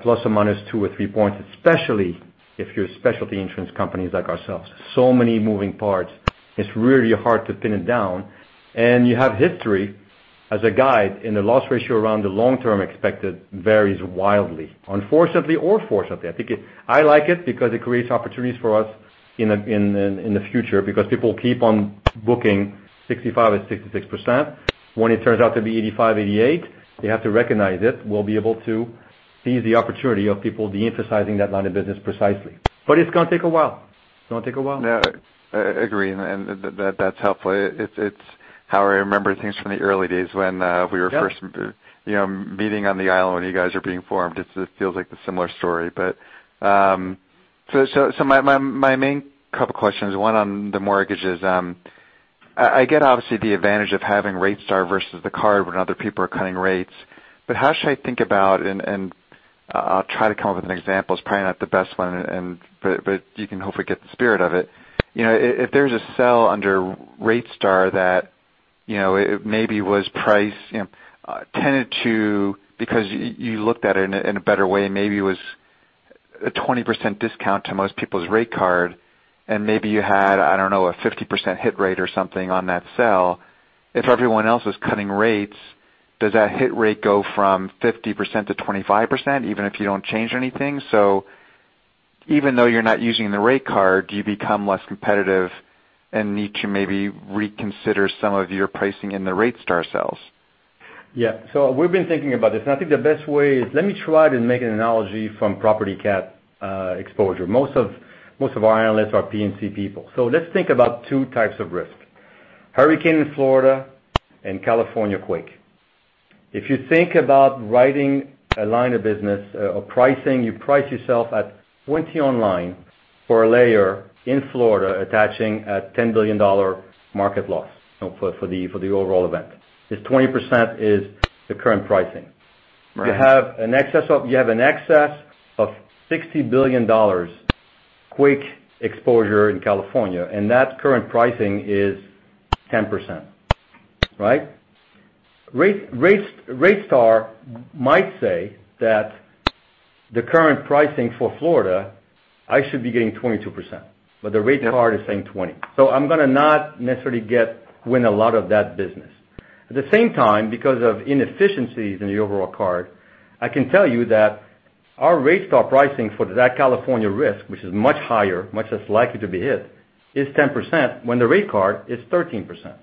plus or minus two or three points, especially if you're a specialty insurance companies like ourselves. Many moving parts, it's really hard to pin it down, and you have history as a guide, and the loss ratio around the long term expected varies wildly, unfortunately or fortunately. I like it because it creates opportunities for us in the future because people keep on booking 65% and 66%. When it turns out to be 85, 88, they have to recognize it. We'll be able to seize the opportunity of people de-emphasizing that line of business precisely. It's going to take a while. It's going to take a while. Yeah. Agree, and that's helpful. It's how I remember things from the early days when we were first meeting on the island when you guys were being formed. It feels like a similar story. My main couple questions, one on the mortgages. I get obviously the advantage of having RateStar versus the card when other people are cutting rates. How should I think about, and I'll try to come up with an example. It's probably not the best one, but you can hopefully get the spirit of it. If there's a sell under RateStar that maybe was priced, tended to, because you looked at it in a better way, maybe it was a 20% discount to most people's rate card, and maybe you had, I don't know, a 50% hit rate or something on that sell. If everyone else was cutting rates Does that hit rate go from 50% to 25%, even if you don't change anything? Even though you're not using the rate card, do you become less competitive and need to maybe reconsider some of your pricing in the RateStar cells? Yeah. We've been thinking about this, and I think the best way is, let me try to make an analogy from property cat exposure. Most of our analysts are P&C people. Let's think about two types of risk. Hurricane in Florida and California quake. If you think about writing a line of business or pricing, you price yourself at 20 online for a layer in Florida attaching a $10 billion market loss for the overall event. This 20% is the current pricing. Right. You have an excess of $60 billion quake exposure in California, and that current pricing is 10%. RateStar might say that the current pricing for Florida, I should be getting 22%, but the rate card is saying 20. I'm going to not necessarily win a lot of that business. At the same time, because of inefficiencies in the overall card, I can tell you that our RateStar pricing for that California risk, which is much higher, much less likely to be hit, is 10% when the rate card is 13%.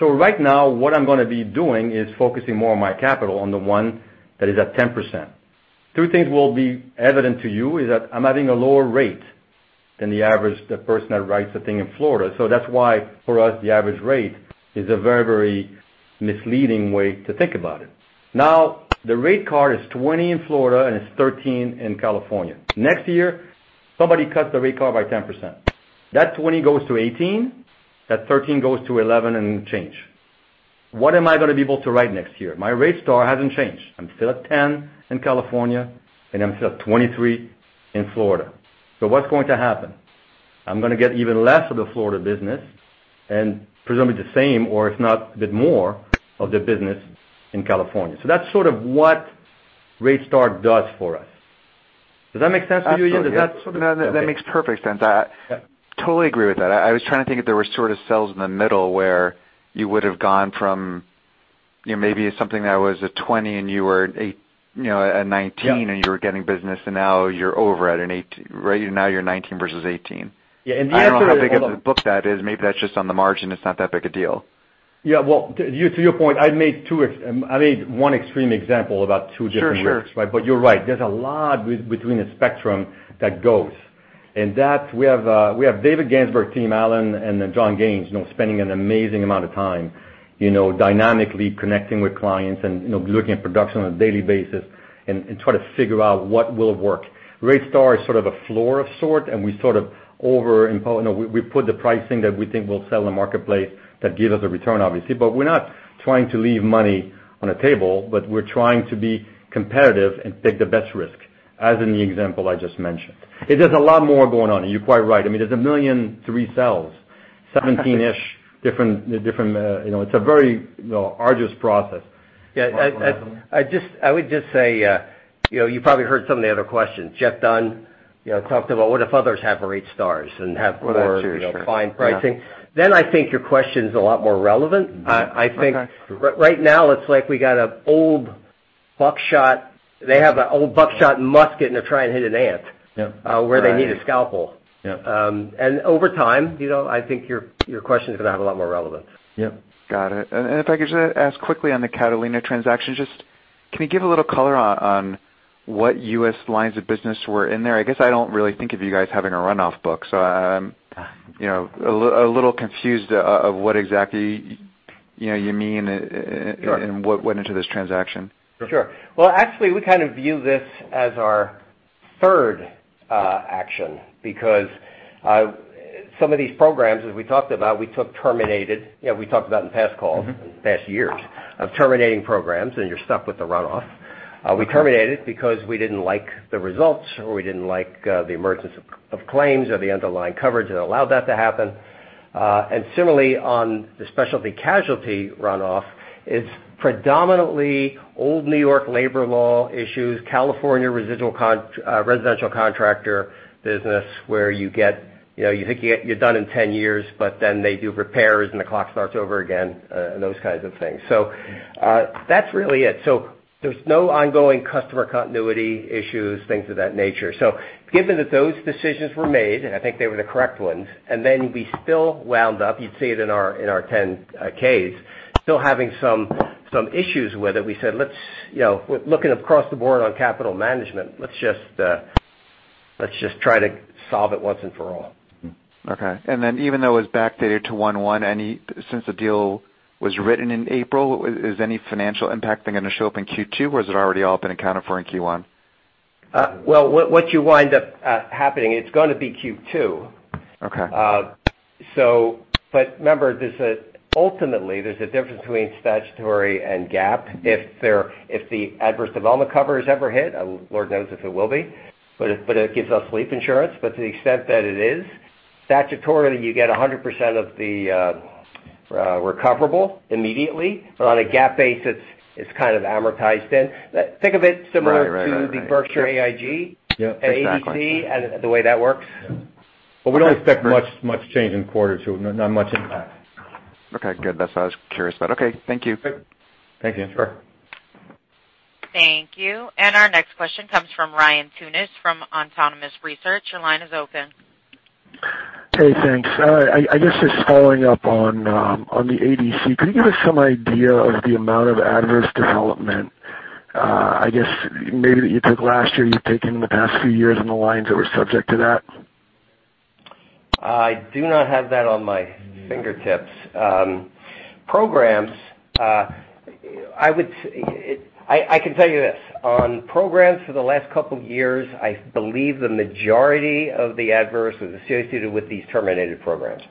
Right now, what I'm going to be doing is focusing more of my capital on the one that is at 10%. Two things will be evident to you, is that I'm having a lower rate than the average, the person that writes the thing in Florida. That's why for us, the average rate is a very misleading way to think about it. Now, the rate card is 20 in Florida and it's 13 in California. Next year, somebody cuts the rate card by 10%. That 20 goes to 18, that 13 goes to 11 and change. What am I going to be able to write next year? My RateStar hasn't changed. I'm still at 10 in California and I'm still at 23 in Florida. What's going to happen? I'm going to get even less of the Florida business and presumably the same, or if not, a bit more of the business in California. That's sort of what RateStar does for us. Does that make sense to you, Ian? That makes perfect sense. I totally agree with that. I was trying to think if there were sort of cells in the middle where you would have gone from maybe something that was a 20 and you were a 19 and you were getting business and now you're over it, now you're 19 versus 18. Yeah. I don't know how big of a book that is. Maybe that's just on the margin. It's not that big a deal. Yeah. Well, to your point, I made one extreme example about two different risks. Sure. You're right, there's a lot between the spectrum that goes. That we have David Gansberg's team, Alan and John Gaines spending an amazing amount of time dynamically connecting with clients and looking at production on a daily basis and try to figure out what will work. RateStar is sort of a floor of sort, and we sort of put the pricing that we think will sell in the marketplace that give us a return, obviously. We're not trying to leave money on the table, but we're trying to be competitive and take the best risk, as in the example I just mentioned. There's a lot more going on, and you're quite right. I mean, there's 1 million, 3 cells, 17-ish different. It's a very arduous process. Yeah. Mark, do you want to add something? I would just say, you probably heard some of the other questions. Jeff Dunn talked about what if others have RateStars and have. Well, that's true. fine pricing. I think your question is a lot more relevant. Okay. I think right now it's like they have a old buckshot musket and they're trying to hit an ant. Yeah Where they need a scalpel. Yeah. Over time, I think your question is going to have a lot more relevance. Yeah. Got it. If I could just ask quickly on the Catalina transaction, just can you give a little color on what U.S. lines of business were in there? I guess I don't really think of you guys having a runoff book, so I'm a little confused of what exactly you mean. Sure What went into this transaction. Sure. Well, actually, we kind of view this as our third action because some of these programs, as we talked about, we took terminated. We talked about in past calls, in past years, of terminating programs, and you're stuck with the runoff. We terminated because we didn't like the results, or we didn't like the emergence of claims or the underlying coverage that allowed that to happen. Similarly, on the specialty casualty runoff, it's predominantly old New York labor law issues, California residential contractor business, where you think you're done in 10 years, but then they do repairs and the clock starts over again, and those kinds of things. That's really it. There's no ongoing customer continuity issues, things of that nature. Given that those decisions were made, and I think they were the correct ones, and then we still wound up, you'd see it in our 10-Ks, still having some issues with it. We said, looking across the board on capital management, let's just try to solve it once and for all. Okay. Even though it was backdated to 1/1, since the deal was written in April, is any financial impact going to show up in Q2, or has it already all been accounted for in Q1? Well, what you wind up happening, it's going to be Q2. Okay. Remember, ultimately, there's a difference between statutory and GAAP. If the adverse development cover is ever hit, Lord knows if it will be, but it gives us sleep insurance. To the extent that it is, statutory, you get 100% of the recoverable immediately. On a GAAP basis, it's kind of amortized in. Think of it similar to the Berkshire AIG- Exactly ADC, and the way that works. We don't expect much change in quarter two, not much impact. Okay, good. That's what I was curious about. Okay, thank you. Thank you. Sure. Thank you. Our next question comes from Ryan Tunis from Autonomous Research. Your line is open. Hey, thanks. I guess just following up on the ADC. Could you give us some idea of the amount of adverse development, I guess, maybe that you took last year, you've taken in the past few years on the lines that were subject to that? I do not have that on my fingertips. I can tell you this. On programs for the last couple of years, I believe the majority of the adverse was associated with these terminated programs.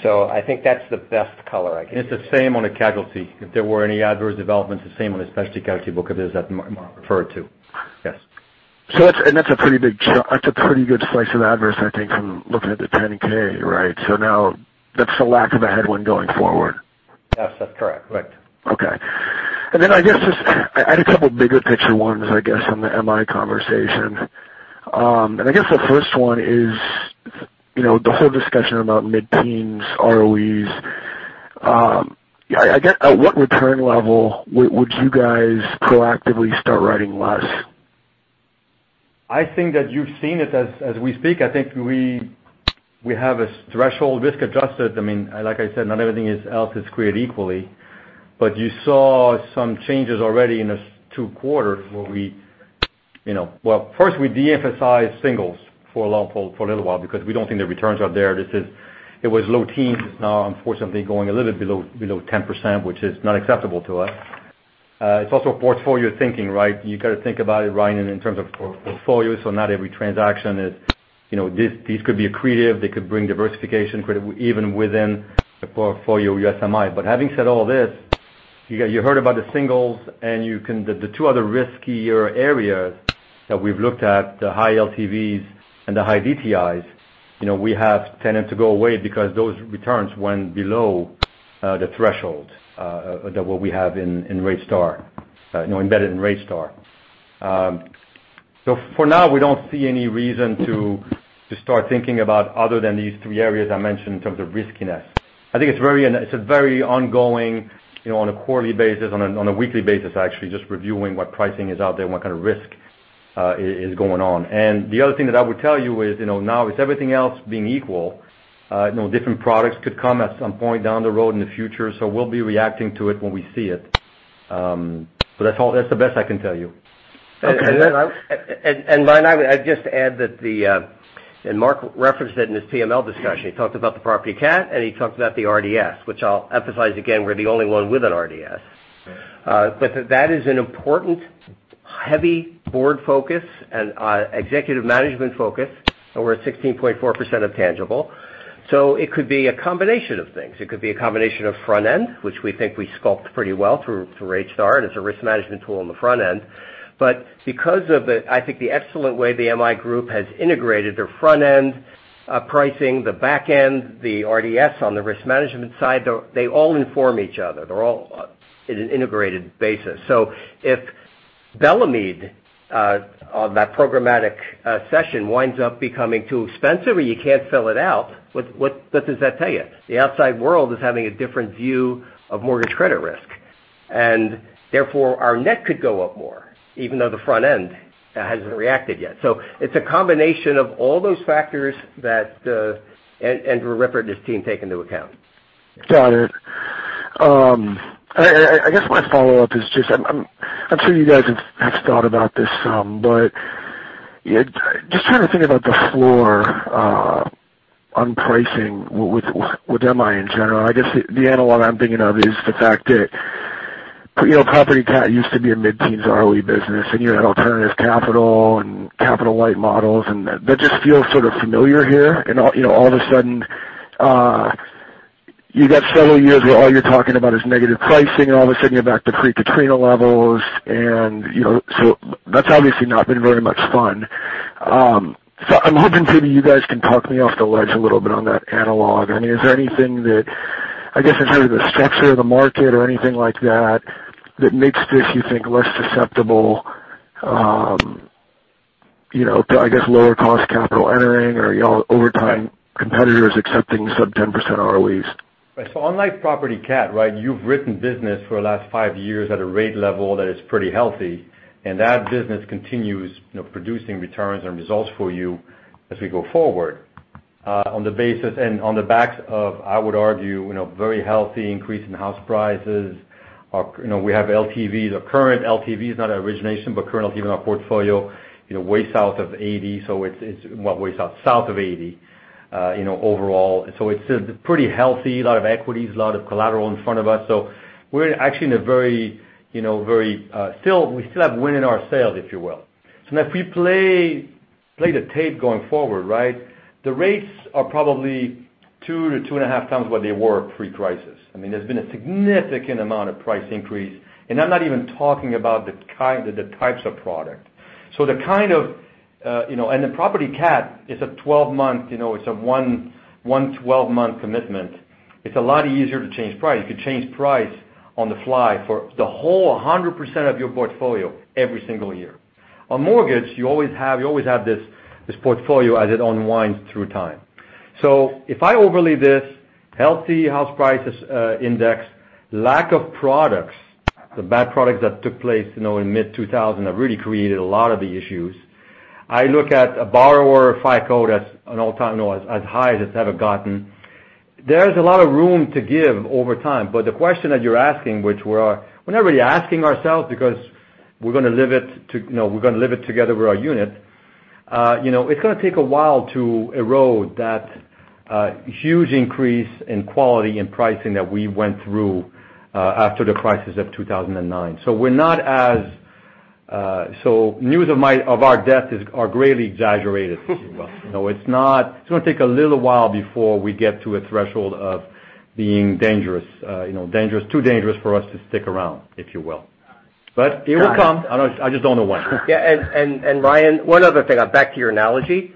I think that's the best color I can give you. It's the same on a casualty. If there were any adverse developments, the same on the specialty casualty book as Mark referred to. Yes. That's a pretty good slice of adverse, I think, from looking at the 10-K, right? Now that's the lack of a headwind going forward. Yes, that's correct. Okay. Then I had a couple bigger picture ones, I guess, on the MI conversation. I guess the first one is the whole discussion about mid-teens ROEs. At what return level would you guys proactively start writing less? I think that you've seen it as we speak. I think we have a threshold risk-adjusted. Like I said, not everything else is created equally. You saw some changes already in the two quarters where first we de-emphasized singles for a little while because we don't think the returns are there. It was low teens. It's now unfortunately going a little bit below 10%, which is not acceptable to us. It's also portfolio thinking, right? You got to think about it, Ryan, in terms of portfolios. Not every transaction is. These could be accretive, they could bring diversification credit even within the portfolio U.S. MI. Having said all this, you heard about the singles and the two other riskier areas that we've looked at, the high LTVs and the high DTIs, we have tended to go away because those returns went below the threshold that what we have embedded in RateSTAR. For now, we don't see any reason to start thinking about other than these three areas I mentioned in terms of riskiness. I think it's a very ongoing on a quarterly basis, on a weekly basis, actually, just reviewing what pricing is out there and what kind of risk is going on. The other thing that I would tell you is now with everything else being equal, different products could come at some point down the road in the future. We'll be reacting to it when we see it. That's the best I can tell you. Ryan, I'd just add that Mark referenced it in his PML discussion. He talked about the property cat, and he talked about the RDS, which I'll emphasize again, we're the only one with an RDS. That is an important heavy board focus and executive management focus over a 16.4% of tangible. It could be a combination of things. It could be a combination of front end, which we think we sculpt pretty well through RateSTAR, and it's a risk management tool on the front end. Because of, I think, the excellent way the MI group has integrated their front-end pricing, the back end, the RDS on the risk management side, they all inform each other. They're all in an integrated basis. If Bellemeade on that programmatic session winds up becoming too expensive or you can't sell it out, what does that tell you? The outside world is having a different view of mortgage credit risk, and therefore our net could go up more, even though the front end hasn't reacted yet. It's a combination of all those factors that Andrew Rippert and his team take into account. Got it. I guess my follow-up is just, I'm sure you guys have thought about this some, but just trying to think about the floor on pricing with MI in general. I guess the analog I'm thinking of is the fact that property cat used to be a mid-teens ROE business, and you had alternative capital and capital-light models, and that just feels sort of familiar here. All of a sudden you got several years where all you're talking about is negative pricing, and all of a sudden you're back to pre-Katrina levels. That's obviously not been very much fun. I'm hoping maybe you guys can talk me off the ledge a little bit on that analog. Is there anything that, I guess, in terms of the structure of the market or anything like that makes this, you think, less susceptible, I guess, lower cost capital entering or over time competitors accepting sub 10% ROEs? Unlike property cat, you've written business for the last five years at a rate level that is pretty healthy, and that business continues producing returns and results for you as we go forward. On the basis and on the backs of, I would argue, very healthy increase in house prices. We have LTVs. Our current LTV is not an origination, but current LTV in our portfolio way south of 80. It's way south of 80 overall. It's pretty healthy. A lot of equities, a lot of collateral in front of us. We're actually, we still have wind in our sails, if you will. Now if we play the tape going forward, the rates are probably two to two and a half times what they were pre-crisis. There's been a significant amount of price increase. I'm not even talking about the types of product. The property cat is a 12-month commitment. It's a lot easier to change price. You could change price on the fly for the whole 100% of your portfolio every single year. On mortgage, you always have this portfolio as it unwinds through time. If I overlay this healthy house prices index, lack of products, the bad products that took place in mid-2000 have really created a lot of the issues. I look at a borrower FICO that's as high as it's ever gotten. There's a lot of room to give over time, the question that you're asking, which we're not really asking ourselves because we're going to live it together with our unit. It's going to take a while to erode that huge increase in quality and pricing that we went through after the crisis of 2009. News of our death are greatly exaggerated, if you will. It's going to take a little while before we get to a threshold of being too dangerous for us to stick around, if you will. It will come. I just don't know when. Yeah. Ryan, one other thing, back to your analogy.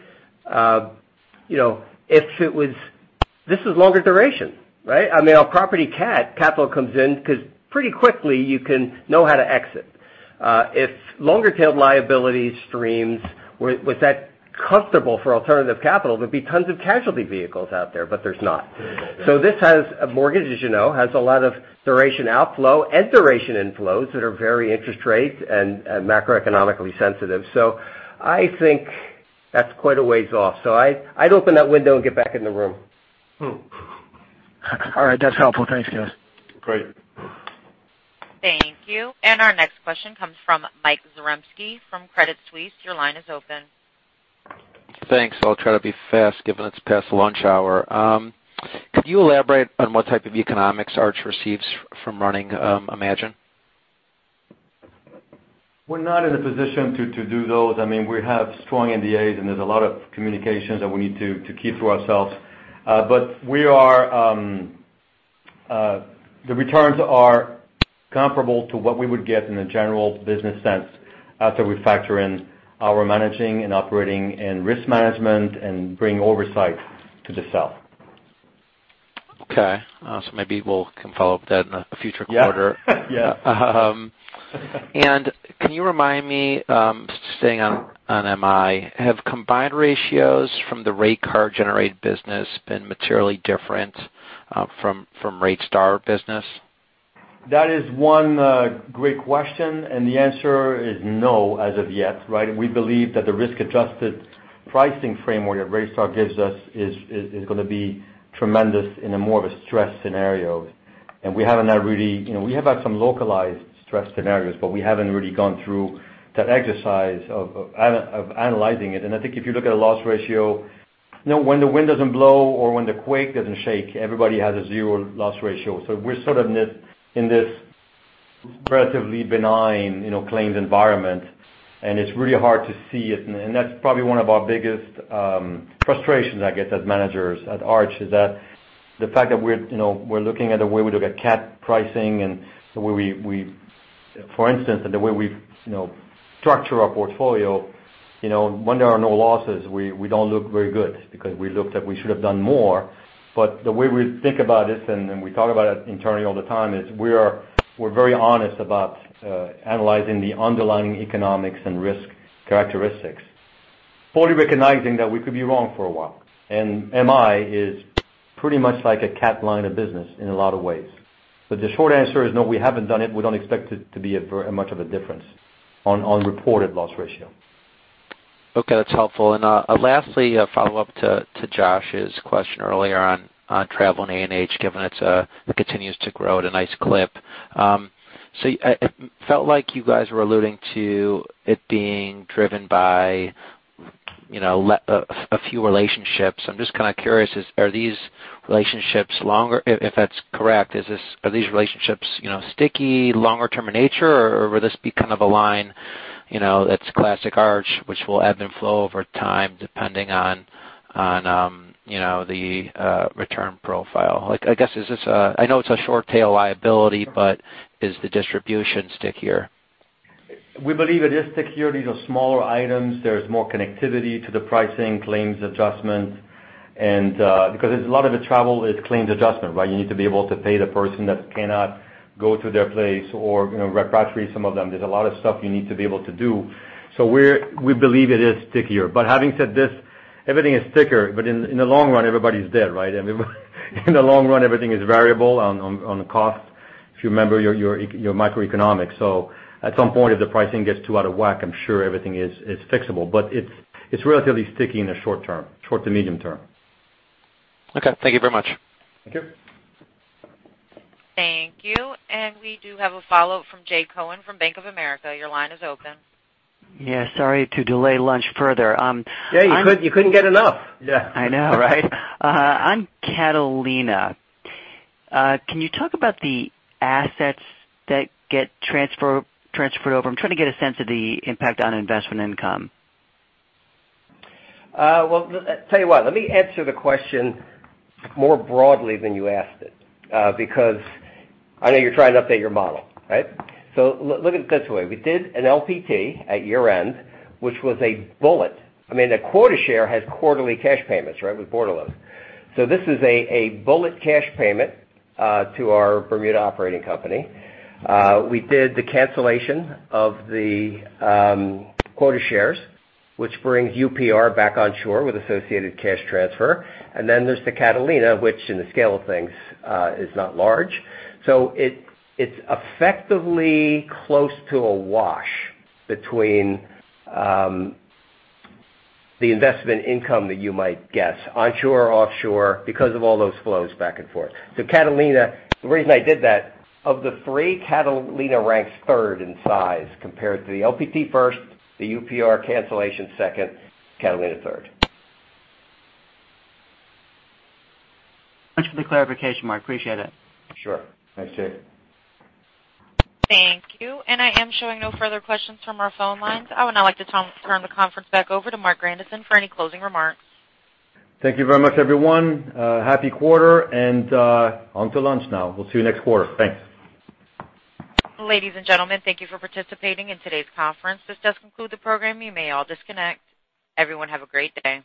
This is longer duration, right? I mean, on property cat, capital comes in because pretty quickly you can know how to exit. If longer tailed liability streams was that comfortable for alternative capital, there'd be tons of casualty vehicles out there's not. This has, a mortgage, as you know, has a lot of duration outflow and duration inflows that are very interest rate and macroeconomically sensitive. I think that's quite a ways off. I'd open that window and get back in the room. All right. That's helpful. Thanks, guys. Great. Thank you. Our next question comes from Michael Zaremski from Credit Suisse. Your line is open. Thanks. I'll try to be fast, given it's past lunch hour. Could you elaborate on what type of economics Arch receives from running Imagine? We're not in a position to do those. I mean, we have strong NDAs, and there's a lot of communications that we need to keep to ourselves. The returns are comparable to what we would get in a general business sense after we factor in our managing and operating and risk management and bring oversight to the deal. Okay. Maybe we can follow up that in a future quarter. Yeah. Can you remind me, staying on MI, have combined ratios from the rate card generated business been materially different from RateStar business? That is one great question, the answer is no as of yet, right? We believe that the risk-adjusted pricing framework that RateStar gives us is going to be tremendous in a more of a stress scenario. We have had some localized stress scenarios, but we haven't really gone through that exercise of analyzing it. I think if you look at a loss ratio, when the wind doesn't blow or when the quake doesn't shake, everybody has a zero loss ratio. We're sort of in this relatively benign claims environment, and it's really hard to see it. That's probably one of our biggest frustrations, I guess, as managers at Arch, is that the fact that we're looking at the way we look at cat pricing and the way we, for instance, and the way we structure our portfolio, when there are no losses, we don't look very good because we looked at we should have done more. The way we think about it, and we talk about it internally all the time, is we're very honest about analyzing the underlying economics and risk characteristics, fully recognizing that we could be wrong for a while. MI is pretty much like a cat line of business in a lot of ways. The short answer is no, we haven't done it. We don't expect it to be much of a difference on reported loss ratio. Okay. That's helpful. Lastly, a follow-up to Josh's question earlier on travel and A&H, given it continues to grow at a nice clip. It felt like you guys were alluding to it being driven by a few relationships. I'm just kind of curious, if that's correct, are these relationships sticky, longer term in nature, or will this be kind of a line that's classic Arch, which will ebb and flow over time depending on the return profile? I know it's a short tail liability, but is the distribution stickier? We believe it is stickier. These are smaller items. There's more connectivity to the pricing, claims adjustment. Because a lot of the travel is claims adjustment, right? You need to be able to pay the person that cannot go to their place or repatriate some of them. There's a lot of stuff you need to be able to do. We believe it is stickier. Having said this, everything is sticker, but in the long run, everybody's dead, right? In the long run, everything is variable on the cost, if you remember your microeconomics. At some point, if the pricing gets too out of whack, I'm sure everything is fixable. It's relatively sticky in the short term, short to medium term. Okay. Thank you very much. Thank you. Thank you. We do have a follow-up from Jay Cohen from Bank of America. Your line is open. Yeah, sorry to delay lunch further. Yeah, you couldn't get enough. I know, right? On Catalina, can you talk about the assets that get transferred over? I'm trying to get a sense of the impact on investment income. Well, tell you what, let me answer the question more broadly than you asked it because I know you're trying to update your model, right? Look at it this way. We did an LPT at year end, which was a bullet. I mean, a quota share has quarterly cash payments, right? With border loads. This is a bullet cash payment to our Bermuda operating company. We did the cancellation of the quota shares, which brings UPR back on shore with associated cash transfer. Then there's the Catalina, which in the scale of things is not large. It's effectively close to a wash between the investment income that you might guess onshore, offshore because of all those flows back and forth. Catalina, the reason I did that, of the three, Catalina ranks third in size compared to the LPT first, the UPR cancellation second, Catalina third. Thanks for the clarification, Mark. Appreciate it. Sure. Thanks, Jay. Thank you. I am showing no further questions from our phone lines. I would now like to turn the conference back over to Marc Grandisson for any closing remarks. Thank you very much, everyone. Happy quarter, and on to lunch now. We'll see you next quarter. Thanks. Ladies and gentlemen, thank you for participating in today's conference. This does conclude the program. You may all disconnect. Everyone have a great day.